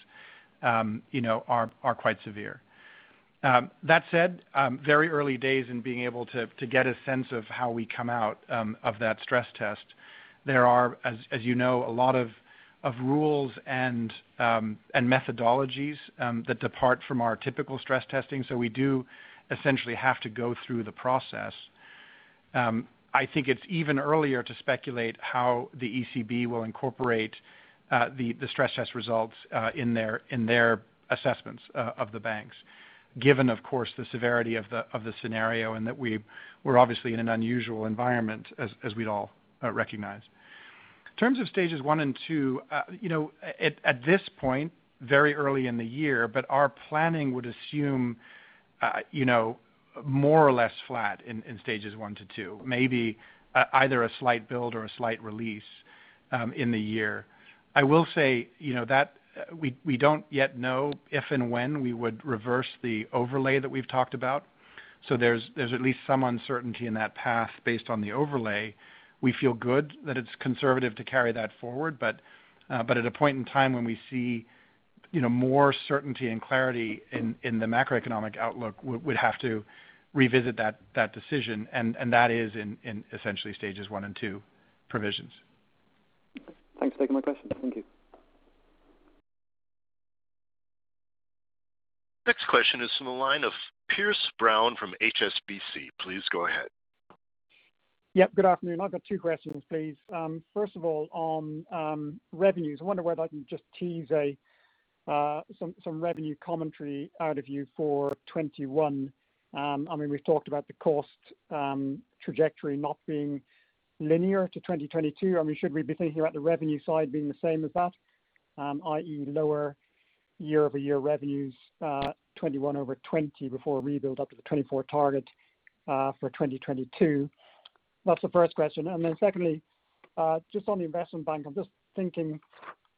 are quite severe. That said, very early days in being able to get a sense of how we come out of that stress test. There are, as you know, a lot of rules and methodologies that depart from our typical stress testing. We do essentially have to go through the process. I think it's even earlier to speculate how the ECB will incorporate the stress test results in their assessments of the banks, given, of course, the severity of the scenario and that we're obviously in an unusual environment, as we'd all recognize. In terms of Stages 1 and 2, at this point, very early in the year, but our planning would assume more or less flat in Stages 1 to 2, maybe either a slight build or a slight release in the year. I will say, we don't yet know if and when we would reverse the overlay that we've talked about, so there's at least some uncertainty in that path based on the overlay. We feel good that it's conservative to carry that forward, but at a point in time when we see more certainty and clarity in the macroeconomic outlook, we'd have to revisit that decision, and that is in essentially Stages 1 and 2 provisions. Thanks for taking my question. Thank you. Next question is from the line of Piers Brown from HSBC. Please go ahead. Yep, good afternoon. I've got two questions, please. First of all, on revenues, I wonder whether I can just tease some revenue commentary out of you for 2021. We've talked about the cost trajectory not being linear to 2022. Should we be thinking about the revenue side being the same as that, i.e., lower year-over-year revenues 2021 over 2020 before we build up to the 2024 target for 2022? That's the first question. Secondly, just on the investment bank, I'm just thinking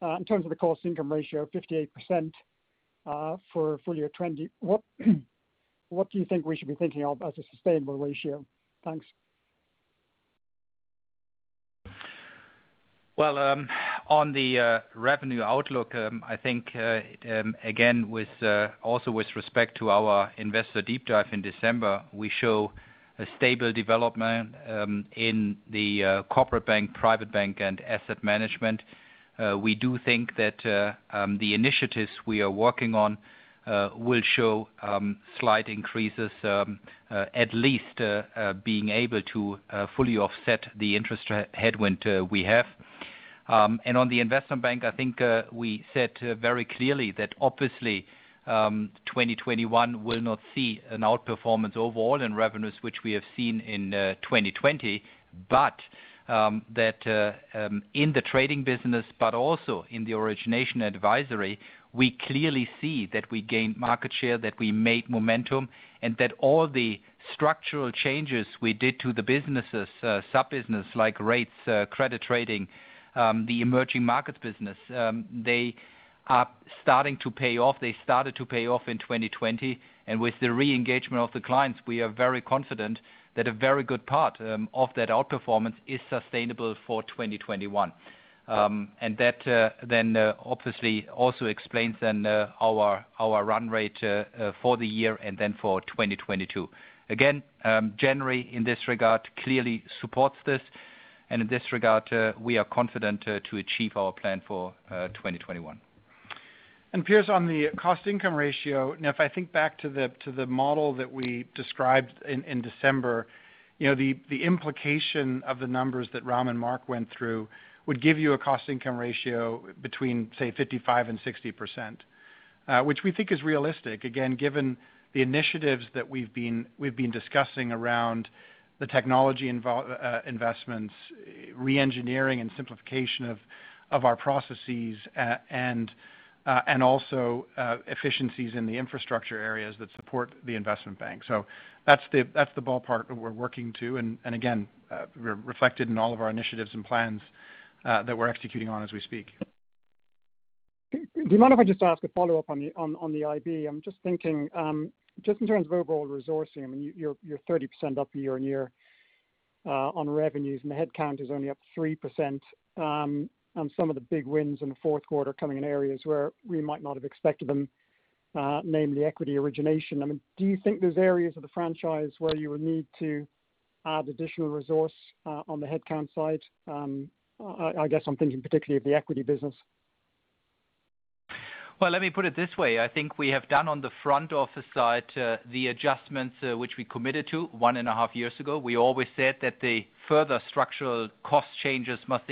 in terms of the cost-income ratio of 58% for full-year 2020, what do you think we should be thinking of as a sustainable ratio? Thanks. Well, on the revenue outlook, I think again, also with respect to our Investor Deep Dive in December, we show a stable development in the Corporate Bank, Private Bank, and Asset Management. We do think that the initiatives we are working on will show slight increases, at least being able to fully offset the interest headwind we have. On the Investment Bank, I think we said very clearly that obviously, 2021 will not see an outperformance overall in revenues, which we have seen in 2020, but that in the trading business, but also in the origination advisory, we clearly see that we gained market share, that we made momentum, and that all the structural changes we did to the businesses, sub-business like rates, credit trading, the emerging markets business, they are starting to pay off. They started to pay off in 2020. With the re-engagement of the clients, we are very confident that a very good part of that outperformance is sustainable for 2021. That then obviously also explains then our run rate for the year and then for 2022. Again, January, in this regard, clearly supports this. In this regard, we are confident to achieve our plan for 2021. Piers, on the cost-income ratio, if I think back to the model that we described in December, the implication of the numbers that Ram and Mark went through would give you a cost-income ratio between, say, 55% and 60%, which we think is realistic, again, given the initiatives that we've been discussing around the technology investments, reengineering, and simplification of our processes, and also efficiencies in the infrastructure areas that support the investment bank. That's the ballpark that we're working to, and again, reflected in all of our initiatives and plans that we're executing on as we speak. Do you mind if I just ask a follow-up on the IB? I'm just thinking, just in terms of overall resourcing, you're 30% up year-on-year on revenues, and the headcount is only up 3%, and some of the big wins in the fourth quarter coming in areas where we might not have expected them, namely equity origination. Do you think there's areas of the franchise where you will need to add additional resource on the headcount side? I guess I'm thinking particularly of the equity business. Well, let me put it this way. I think we have done on the front office side the adjustments which we committed to one and a half years ago. We always said that the further structural cost changes must,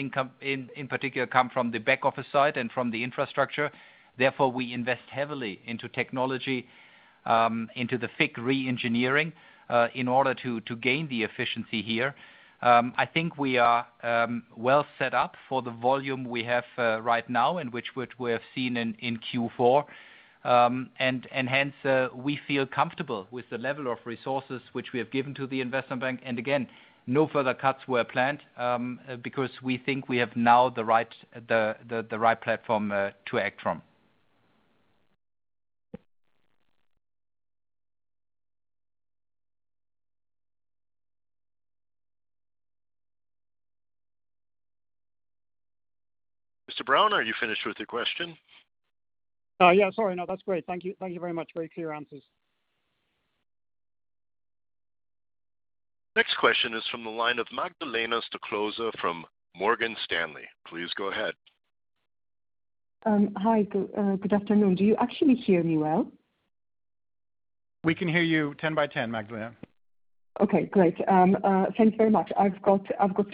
in particular, come from the back office side and from the infrastructure. We invest heavily into technology, into the FIC reengineering in order to gain the efficiency here. I think we are well set up for the volume we have right now and which we have seen in Q4. Hence, we feel comfortable with the level of resources which we have given to the investment bank. Again, no further cuts were planned because we think we have now the right platform to act from. Mr. Brown, are you finished with your question? Yeah, sorry. No, that's great. Thank you. Thank you very much. Very clear answers. Next question is from the line of Magdalena Stoklosa from Morgan Stanley. Please go ahead. Hi. Good afternoon. Do you actually hear me well? We can hear you 10 by 10, Magdalena. Okay, great. Thanks very much. I've got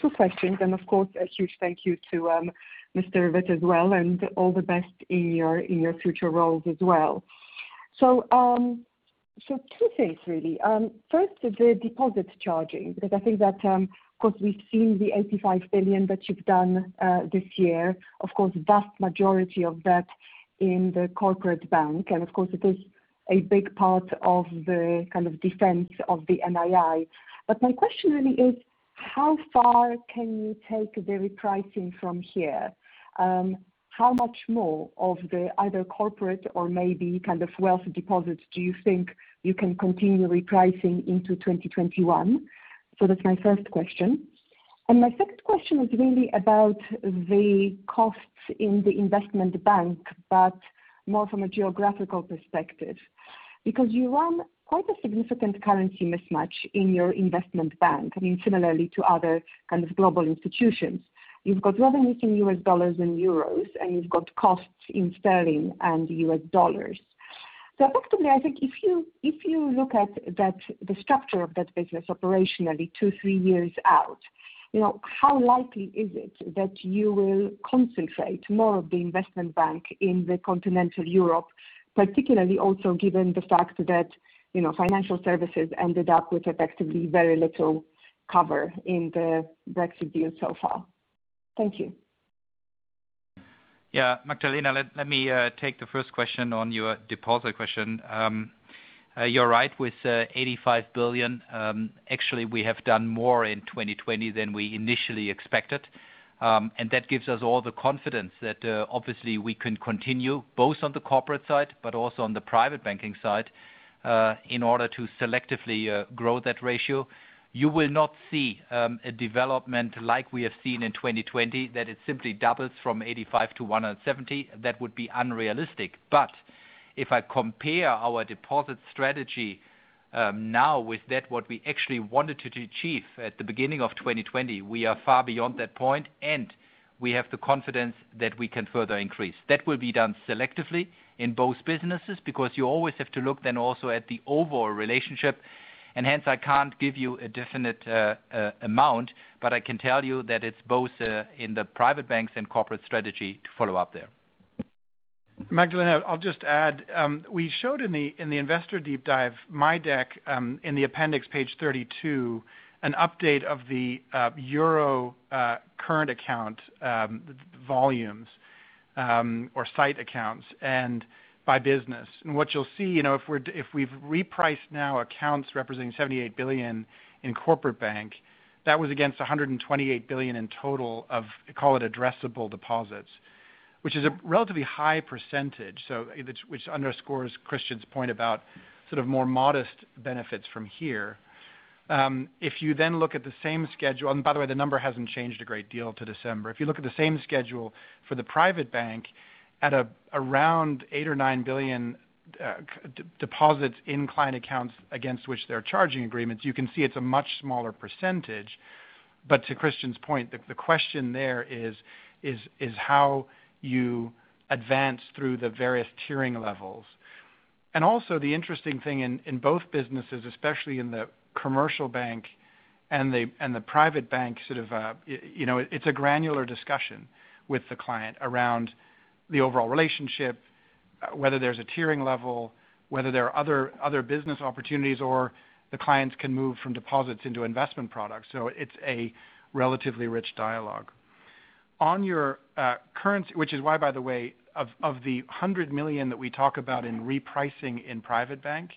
two questions, of course, a huge thank you to Mr. Rivett as well, and all the best in your future roles as well. Two things really. First, the deposit charging, I think that because we've seen the 85 billion that you've done this year, of course, vast majority of that in the Corporate Bank, of course it is a big part of the kind of defense of the NII. My question really is, how far can you take the repricing from here? How much more of the either corporate or maybe kind of wealth deposits do you think you can continue repricing into 2021? That's my first question. My second question is really about the costs in the Investment Bank, but more from a geographical perspective. Because you run quite a significant currency mismatch in your investment bank. I mean, similarly to other kind of global institutions. You've got revenues in U.S. dollars and euros, and you've got costs in sterling and U.S. dollars. Effectively, I think if you look at the structure of that business operationally two, three years out, how likely is it that you will concentrate more of the investment bank in the continental Europe, particularly also given the fact that financial services ended up with effectively very little cover in the Brexit deal so far? Thank you. Yeah. Magdalena, let me take the first question on your deposit question. You're right with 85 billion. Actually, we have done more in 2020 than we initially expected. That gives us all the confidence that obviously we can continue both on the corporate side, but also on the private banking side, in order to selectively grow that ratio. You will not see a development like we have seen in 2020 that it simply doubles from 85 billion to 170 billion. That would be unrealistic. If I compare our deposit strategy now with that what we actually wanted to achieve at the beginning of 2020, we are far beyond that point, and we have the confidence that we can further increase. That will be done selectively in both businesses, because you always have to look then also at the overall relationship, and hence I can't give you a definite amount. I can tell you that it's both in the private banks and corporate strategy to follow up there. Magdalena, I'll just add, we showed in the Investor Deep Dive, my deck, in the appendix page 32, an update of the euro current account volumes, or sight accounts, by business. What you'll see, if we've repriced now accounts representing 78 billion in Corporate Bank, that was against 128 billion in total of, call it addressable deposits. Which is a relatively high percentage, so which underscores Christian's point about sort of more modest benefits from here. If you then look at the same schedule, by the way, the number hasn't changed a great deal to December. If you look at the same schedule for the Private Bank at around 8 billion or 9 billion deposits in client accounts against which they're charging agreements, you can see it's a much smaller percentage. To Christian's point, the question there is, how you advance through the various tiering levels. Also the interesting thing in both businesses, especially in the Commercial Bank and the Private Bank, it's a granular discussion with the client around the overall relationship, whether there's a tiering level, whether there are other business opportunities or the clients can move from deposits into investment products. It's a relatively rich dialogue. Which is why, by the way, of the 100 million that we talk about in repricing in Private Bank,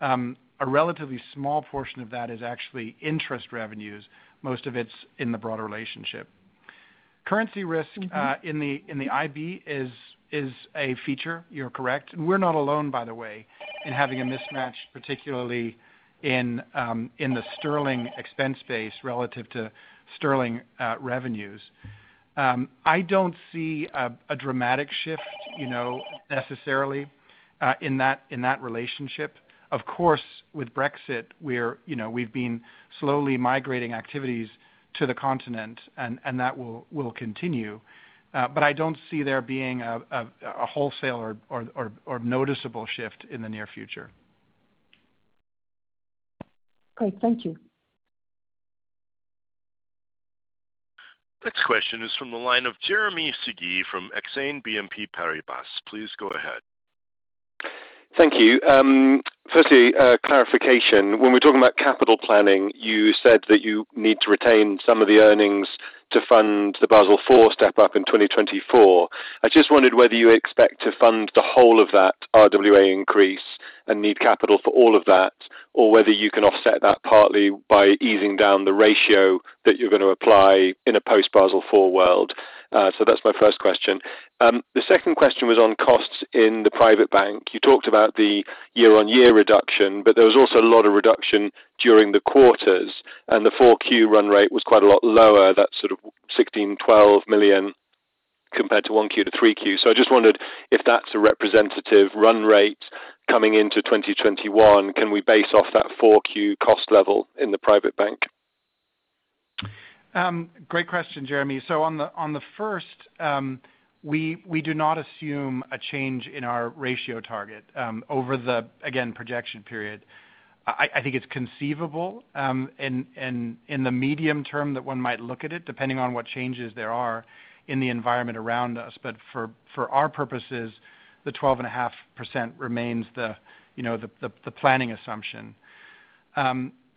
a relatively small portion of that is actually interest revenues. Most of it's in the broader relationship. Currency risk in the IB is a feature. You're correct. We're not alone, by the way, in having a mismatch, particularly in the sterling expense base relative to sterling revenues. I don't see a dramatic shift necessarily in that relationship. Of course, with Brexit, we've been slowly migrating activities to the continent, and that will continue. I don't see there being a wholesale or noticeable shift in the near future. Great. Thank you. Next question is from the line of Jeremy Sigee from Exane BNP Paribas. Please go ahead. Thank you. Firstly, clarification. When we're talking about capital planning, you said that you need to retain some of the earnings to fund the Basel IV step-up in 2024. I just wondered whether you expect to fund the whole of that RWA increase and need capital for all of that, or whether you can offset that partly by easing down the ratio that you're going to apply in a post Basel IV world. That's my first question. The second question was on costs in the private bank. You talked about the year-on-year reduction, but there was also a lot of reduction during the quarters, and the 4Q run rate was quite a lot lower, that sort of 1.6 billion, 1.2 billion compared to 1Q to 3Q. I just wondered if that's a representative run rate coming into 2021. Can we base off that 4Q cost level in the Private Bank? Great question, Jeremy. On the first, we do not assume a change in our ratio target over the, again, projection period. I think it's conceivable in the medium term that one might look at it, depending on what changes there are in the environment around us. But for our purposes, the 12.5% remains the planning assumption.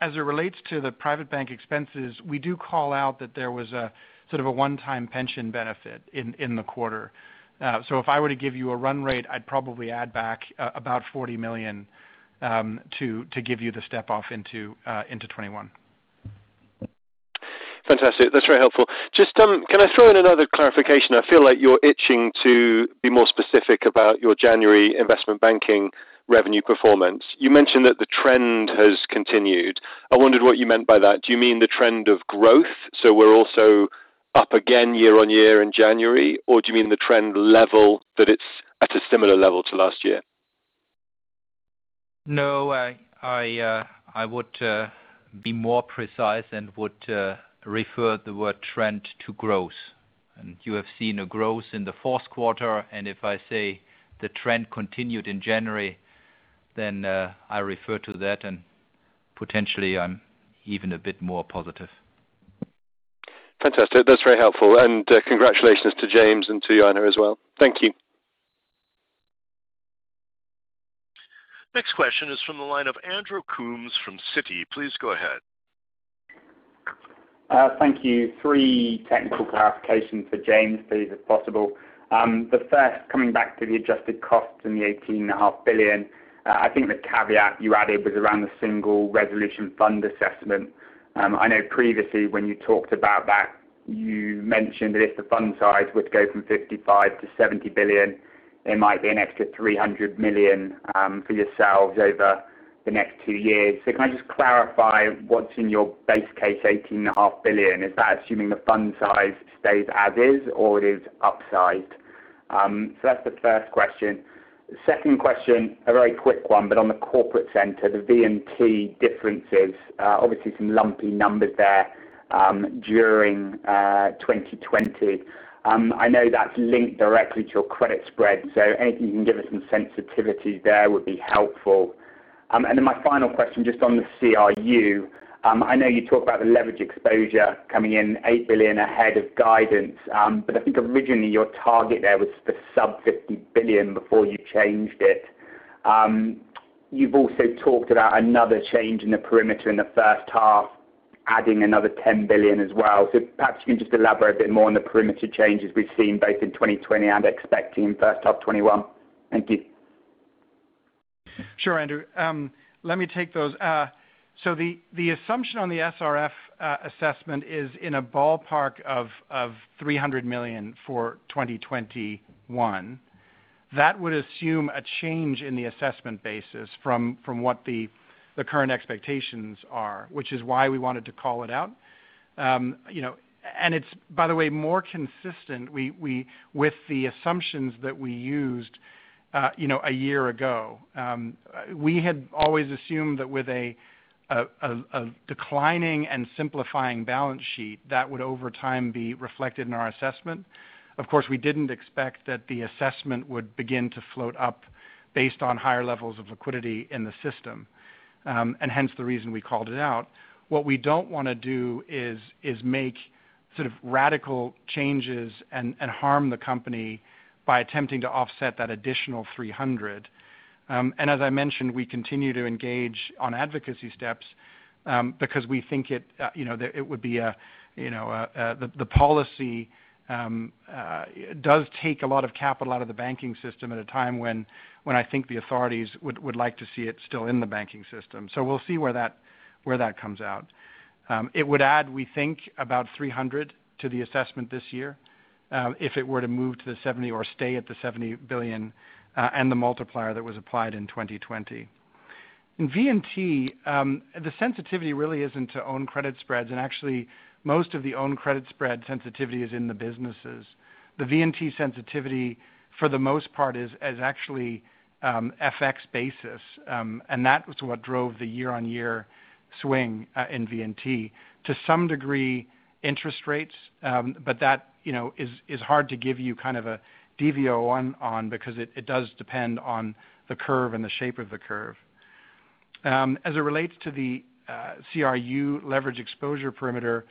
As it relates to the private bank expenses, we do call out that there was a sort of a one-time pension benefit in the quarter. If I were to give you a run rate, I'd probably add back about 40 million to give you the step-off into 2021. Fantastic. That's very helpful. Can I throw in another clarification? I feel like you're itching to be more specific about your January investment banking revenue performance. You mentioned that the trend has continued. I wondered what you meant by that. Do you mean the trend of growth, so we're also up again year-over-year in January? Or do you mean the trend level, that it's at a similar level to last year? No, I would be more precise and would refer the word trend to growth. You have seen a growth in the fourth quarter, and if I say the trend continued in January, then I refer to that, and potentially I am even a bit more positive. Fantastic. That's very helpful. Congratulations to James and to Ioana as well. Thank you. Next question is from the line of Andrew Coombs from Citi. Please go ahead. Thank you. Three technical clarifications for James, please, if possible. The first, coming back to the adjusted costs and the 18.5 billion, I think the caveat you added was around the Single Resolution Fund assessment. I know previously when you talked about that, you mentioned that if the fund size were to go from 55 billion to 70 billion, there might be an extra 300 million for yourselves over the next two years. Can I just clarify what's in your base case, 18.5 billion? Is that assuming the fund size stays as is or is upsized? That's the first question. Second question, a very quick one, but on the corporate center, the V&T differences, obviously some lumpy numbers there during 2020. I know that's linked directly to your credit spread, so anything you can give us some sensitivity there would be helpful. My final question, just on the CRU. I know you talk about the leverage exposure coming in 8 billion ahead of guidance. I think originally your target there was the sub-EUR 50 billion before you changed it. You've also talked about another change in the perimeter in the first half, adding another 10 billion as well. Perhaps you can just elaborate a bit more on the perimeter changes we've seen both in 2020 and expecting in first half 2021. Thank you. Sure, Andrew. Let me take those. The assumption on the SRF assessment is in a ballpark of 300 million for 2021. That would assume a change in the assessment basis from what the current expectations are, which is why we wanted to call it out. It's, by the way, more consistent with the assumptions that we used a year ago. We had always assumed that with a declining and simplifying balance sheet, that would over time be reflected in our assessment. Of course, we didn't expect that the assessment would begin to float up based on higher levels of liquidity in the system, and hence the reason we called it out. What we don't want to do is make sort of radical changes and harm the company by attempting to offset that additional 300 million. As I mentioned, we continue to engage on advocacy steps because we think the policy does take a lot of capital out of the banking system at a time when I think the authorities would like to see it still in the banking system. We'll see where that comes out. It would add, we think, about 300 million to the assessment this year if it were to move to the 70 billion or stay at the 70 billion and the multiplier that was applied in 2020. In V&T, the sensitivity really isn't to own credit spreads. Actually, most of the own credit spread sensitivity is in the businesses. The V&T sensitivity for the most part is actually FX basis. That was what drove the year-on-year swing in V&T. To some degree, interest rates, but that is hard to give you kind of a DV01 on because it does depend on the curve and the shape of the curve. As it relates to the CRU leverage exposure perimeter,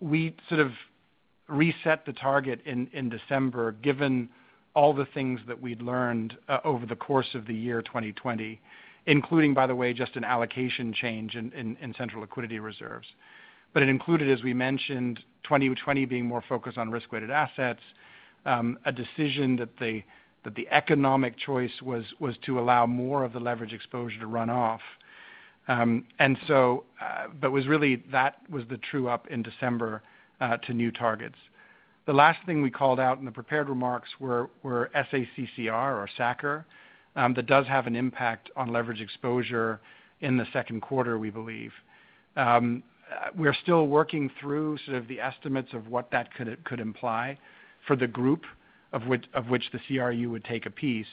we sort of reset the target in December, given all the things that we'd learned over the course of the year 2020, including, by the way, just an allocation change in central liquidity reserves. It included, as we mentioned, 2020 being more focused on risk-weighted assets, a decision that the economic choice was to allow more of the leverage exposure to run off. Really, that was the true up in December to new targets. The last thing we called out in the prepared remarks were S-A-C-C-R, or SACCR. That does have an impact on leverage exposure in the second quarter, we believe. We're still working through sort of the estimates of what that could imply for the group, of which the CRU would take a piece.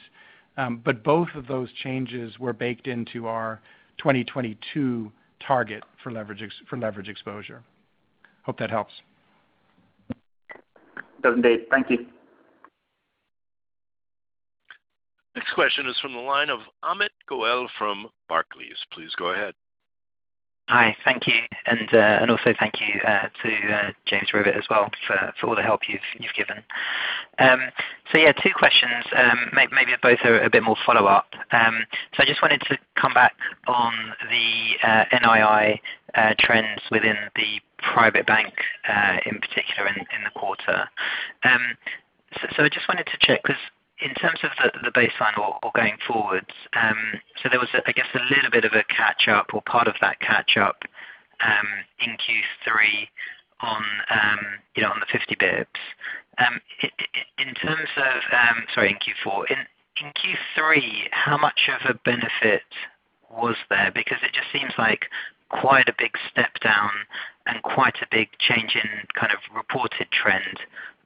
Both of those changes were baked into our 2022 target for leverage exposure. Hope that helps. It does, indeed. Thank you. Next question is from the line of Amit Goel from Barclays. Please go ahead. Hi. Thank you. Also thank you to James Rivett as well for all the help you've given. Yeah, two questions. Maybe both are a bit more follow-up. I just wanted to come back on the NII trends within the private bank, in particular in the quarter. I just wanted to check, because in terms of the baseline or going forwards, there was, I guess, a little bit of a catch-up or part of that catch-up in Q3 on the 50 basis points. In Q4. In Q3, how much of a benefit was there? It just seems like quite a big step down and quite a big change in kind of reported trend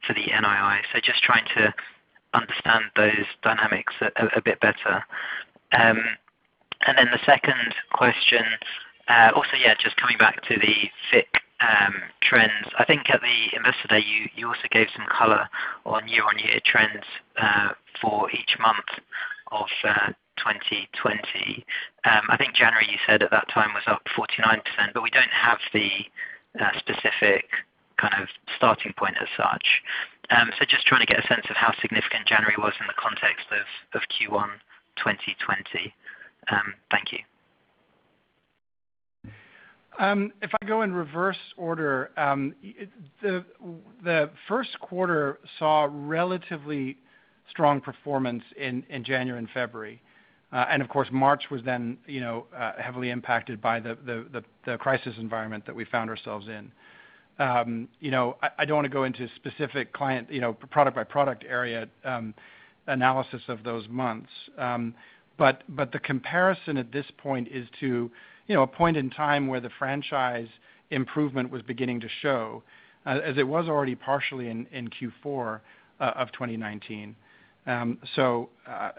for the NII. Just trying to understand those dynamics a bit better. Then the second question, also, yeah, just coming back to the FIC trends. I think at the investor day, you also gave some color on year-on-year trends for each month of 2020. I think January, you said at that time, was up 49%, but we don't have the specific kind of starting point as such. Just trying to get a sense of how significant January was in the context of Q1 2020. Thank you. If I go in reverse order, the first quarter saw relatively strong performance in January and February. Of course, March was then heavily impacted by the crisis environment that we found ourselves in. I don't want to go into specific client, product-by-product area analysis of those months. The comparison at this point is to a point in time where the franchise improvement was beginning to show, as it was already partially in Q4 of 2019.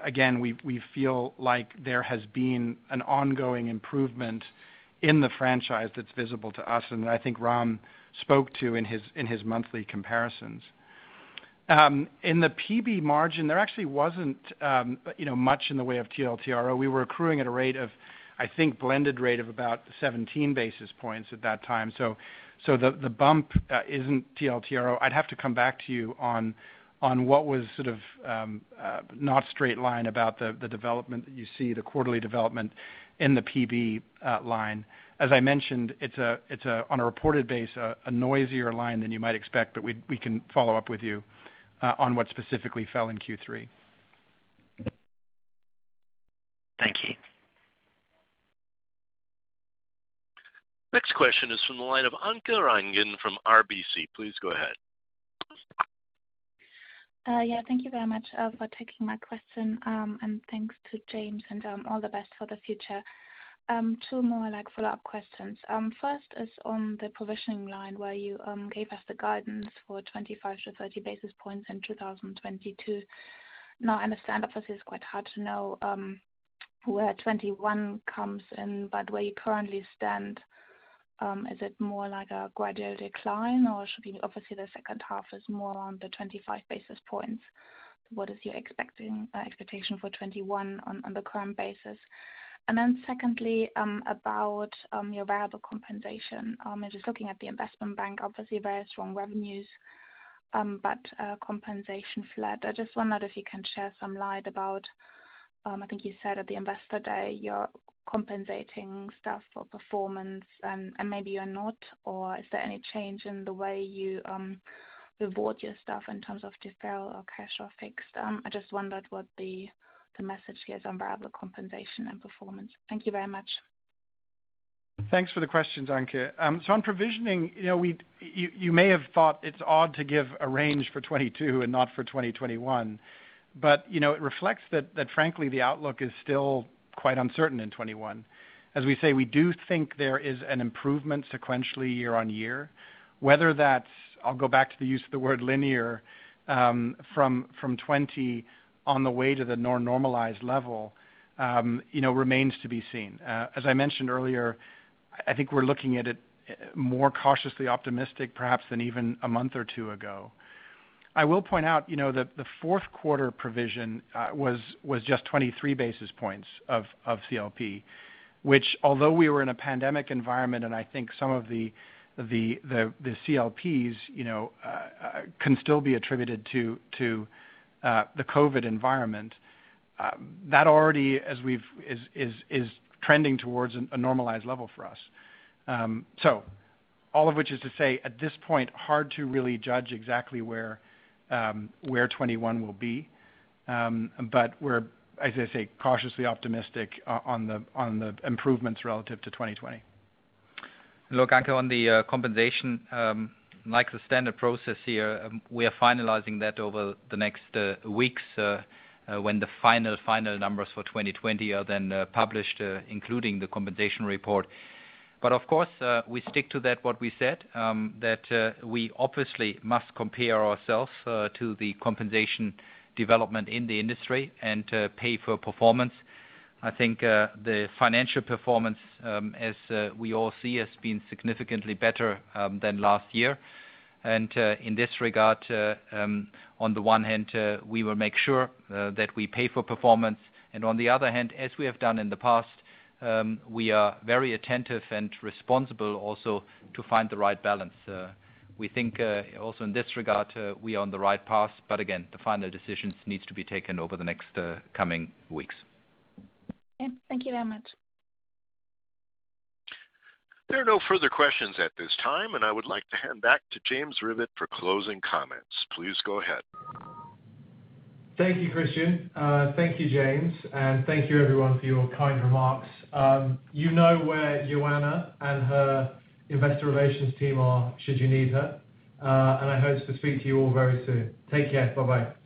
Again, we feel like there has been an ongoing improvement in the franchise that's visible to us, and I think Ram spoke to in his monthly comparisons. In the PB margin, there actually wasn't much in the way of TLTRO. We were accruing at a rate of, I think, blended rate of about 17 basis points at that time. The bump isn't TLTRO. I'd have to come back to you on what was sort of not straight line about the development that you see, the quarterly development in the PB line. As I mentioned, it's on a reported base, a noisier line than you might expect, but we can follow up with you on what specifically fell in Q3. Thank you. Next question is from the line of Anke Reingen from RBC. Please go ahead. Thank you very much for taking my question. Thanks to James, all the best for the future. Two more follow-up questions. First is on the provisioning line where you gave us the guidance for 25 basis points-30 basis points in 2022. I understand obviously it is quite hard to know where 2021 comes in. Where you currently stand, is it more like a gradual decline or should be obviously the second half is more on the 25 basis points? What is your expectation for 2021 on the current basis? Secondly, about your variable compensation. I was just looking at the Investment Bank, obviously very strong revenues, compensation flat. I just wondered if you can share some light about, I think you said at the investor day, you're compensating staff for performance and maybe you're not, or is there any change in the way you reward your staff in terms of deferral or cash or fixed? I just wondered what the message here is on variable compensation and performance. Thank you very much. Thanks for the questions, Anke. On provisioning, you may have thought it's odd to give a range for 2022 and not for 2021, it reflects that frankly, the outlook is still quite uncertain in 2021. As we say, we do think there is an improvement sequentially year-over-year. Whether that's, I'll go back to the use of the word linear, from 2020 on the way to the more normalized level remains to be seen. As I mentioned earlier, I think we're looking at it more cautiously optimistic perhaps than even a month or two ago. I will point out that the fourth quarter provision was just 23 basis points of CLP, which although we were in a pandemic environment and I think some of the CLPs can still be attributed to the COVID environment. That already is trending towards a normalized level for us. all of which is to say, at this point, hard to really judge exactly where 2021 will be. we're, as I say, cautiously optimistic on the improvements relative to 2020. Look, Anke, on the compensation, like the standard process here, we are finalizing that over the next weeks when the final numbers for 2020 are then published, including the compensation report. Of course, we stick to that what we said, that we obviously must compare ourselves to the compensation development in the industry and pay for performance. I think the financial performance, as we all see, has been significantly better than last year. In this regard, on the one hand, we will make sure that we pay for performance. On the other hand, as we have done in the past, we are very attentive and responsible also to find the right balance. We think also in this regard, we are on the right path, but again, the final decisions needs to be taken over the next coming weeks. Okay. Thank you very much. There are no further questions at this time, and I would like to hand back to James Rivett for closing comments. Please go ahead. Thank you, Christian. Thank you, James, and thank you everyone for your kind remarks. You know where Ioanna and her investor relations team are, should you need her. I hope to speak to you all very soon. Take care. Bye-bye.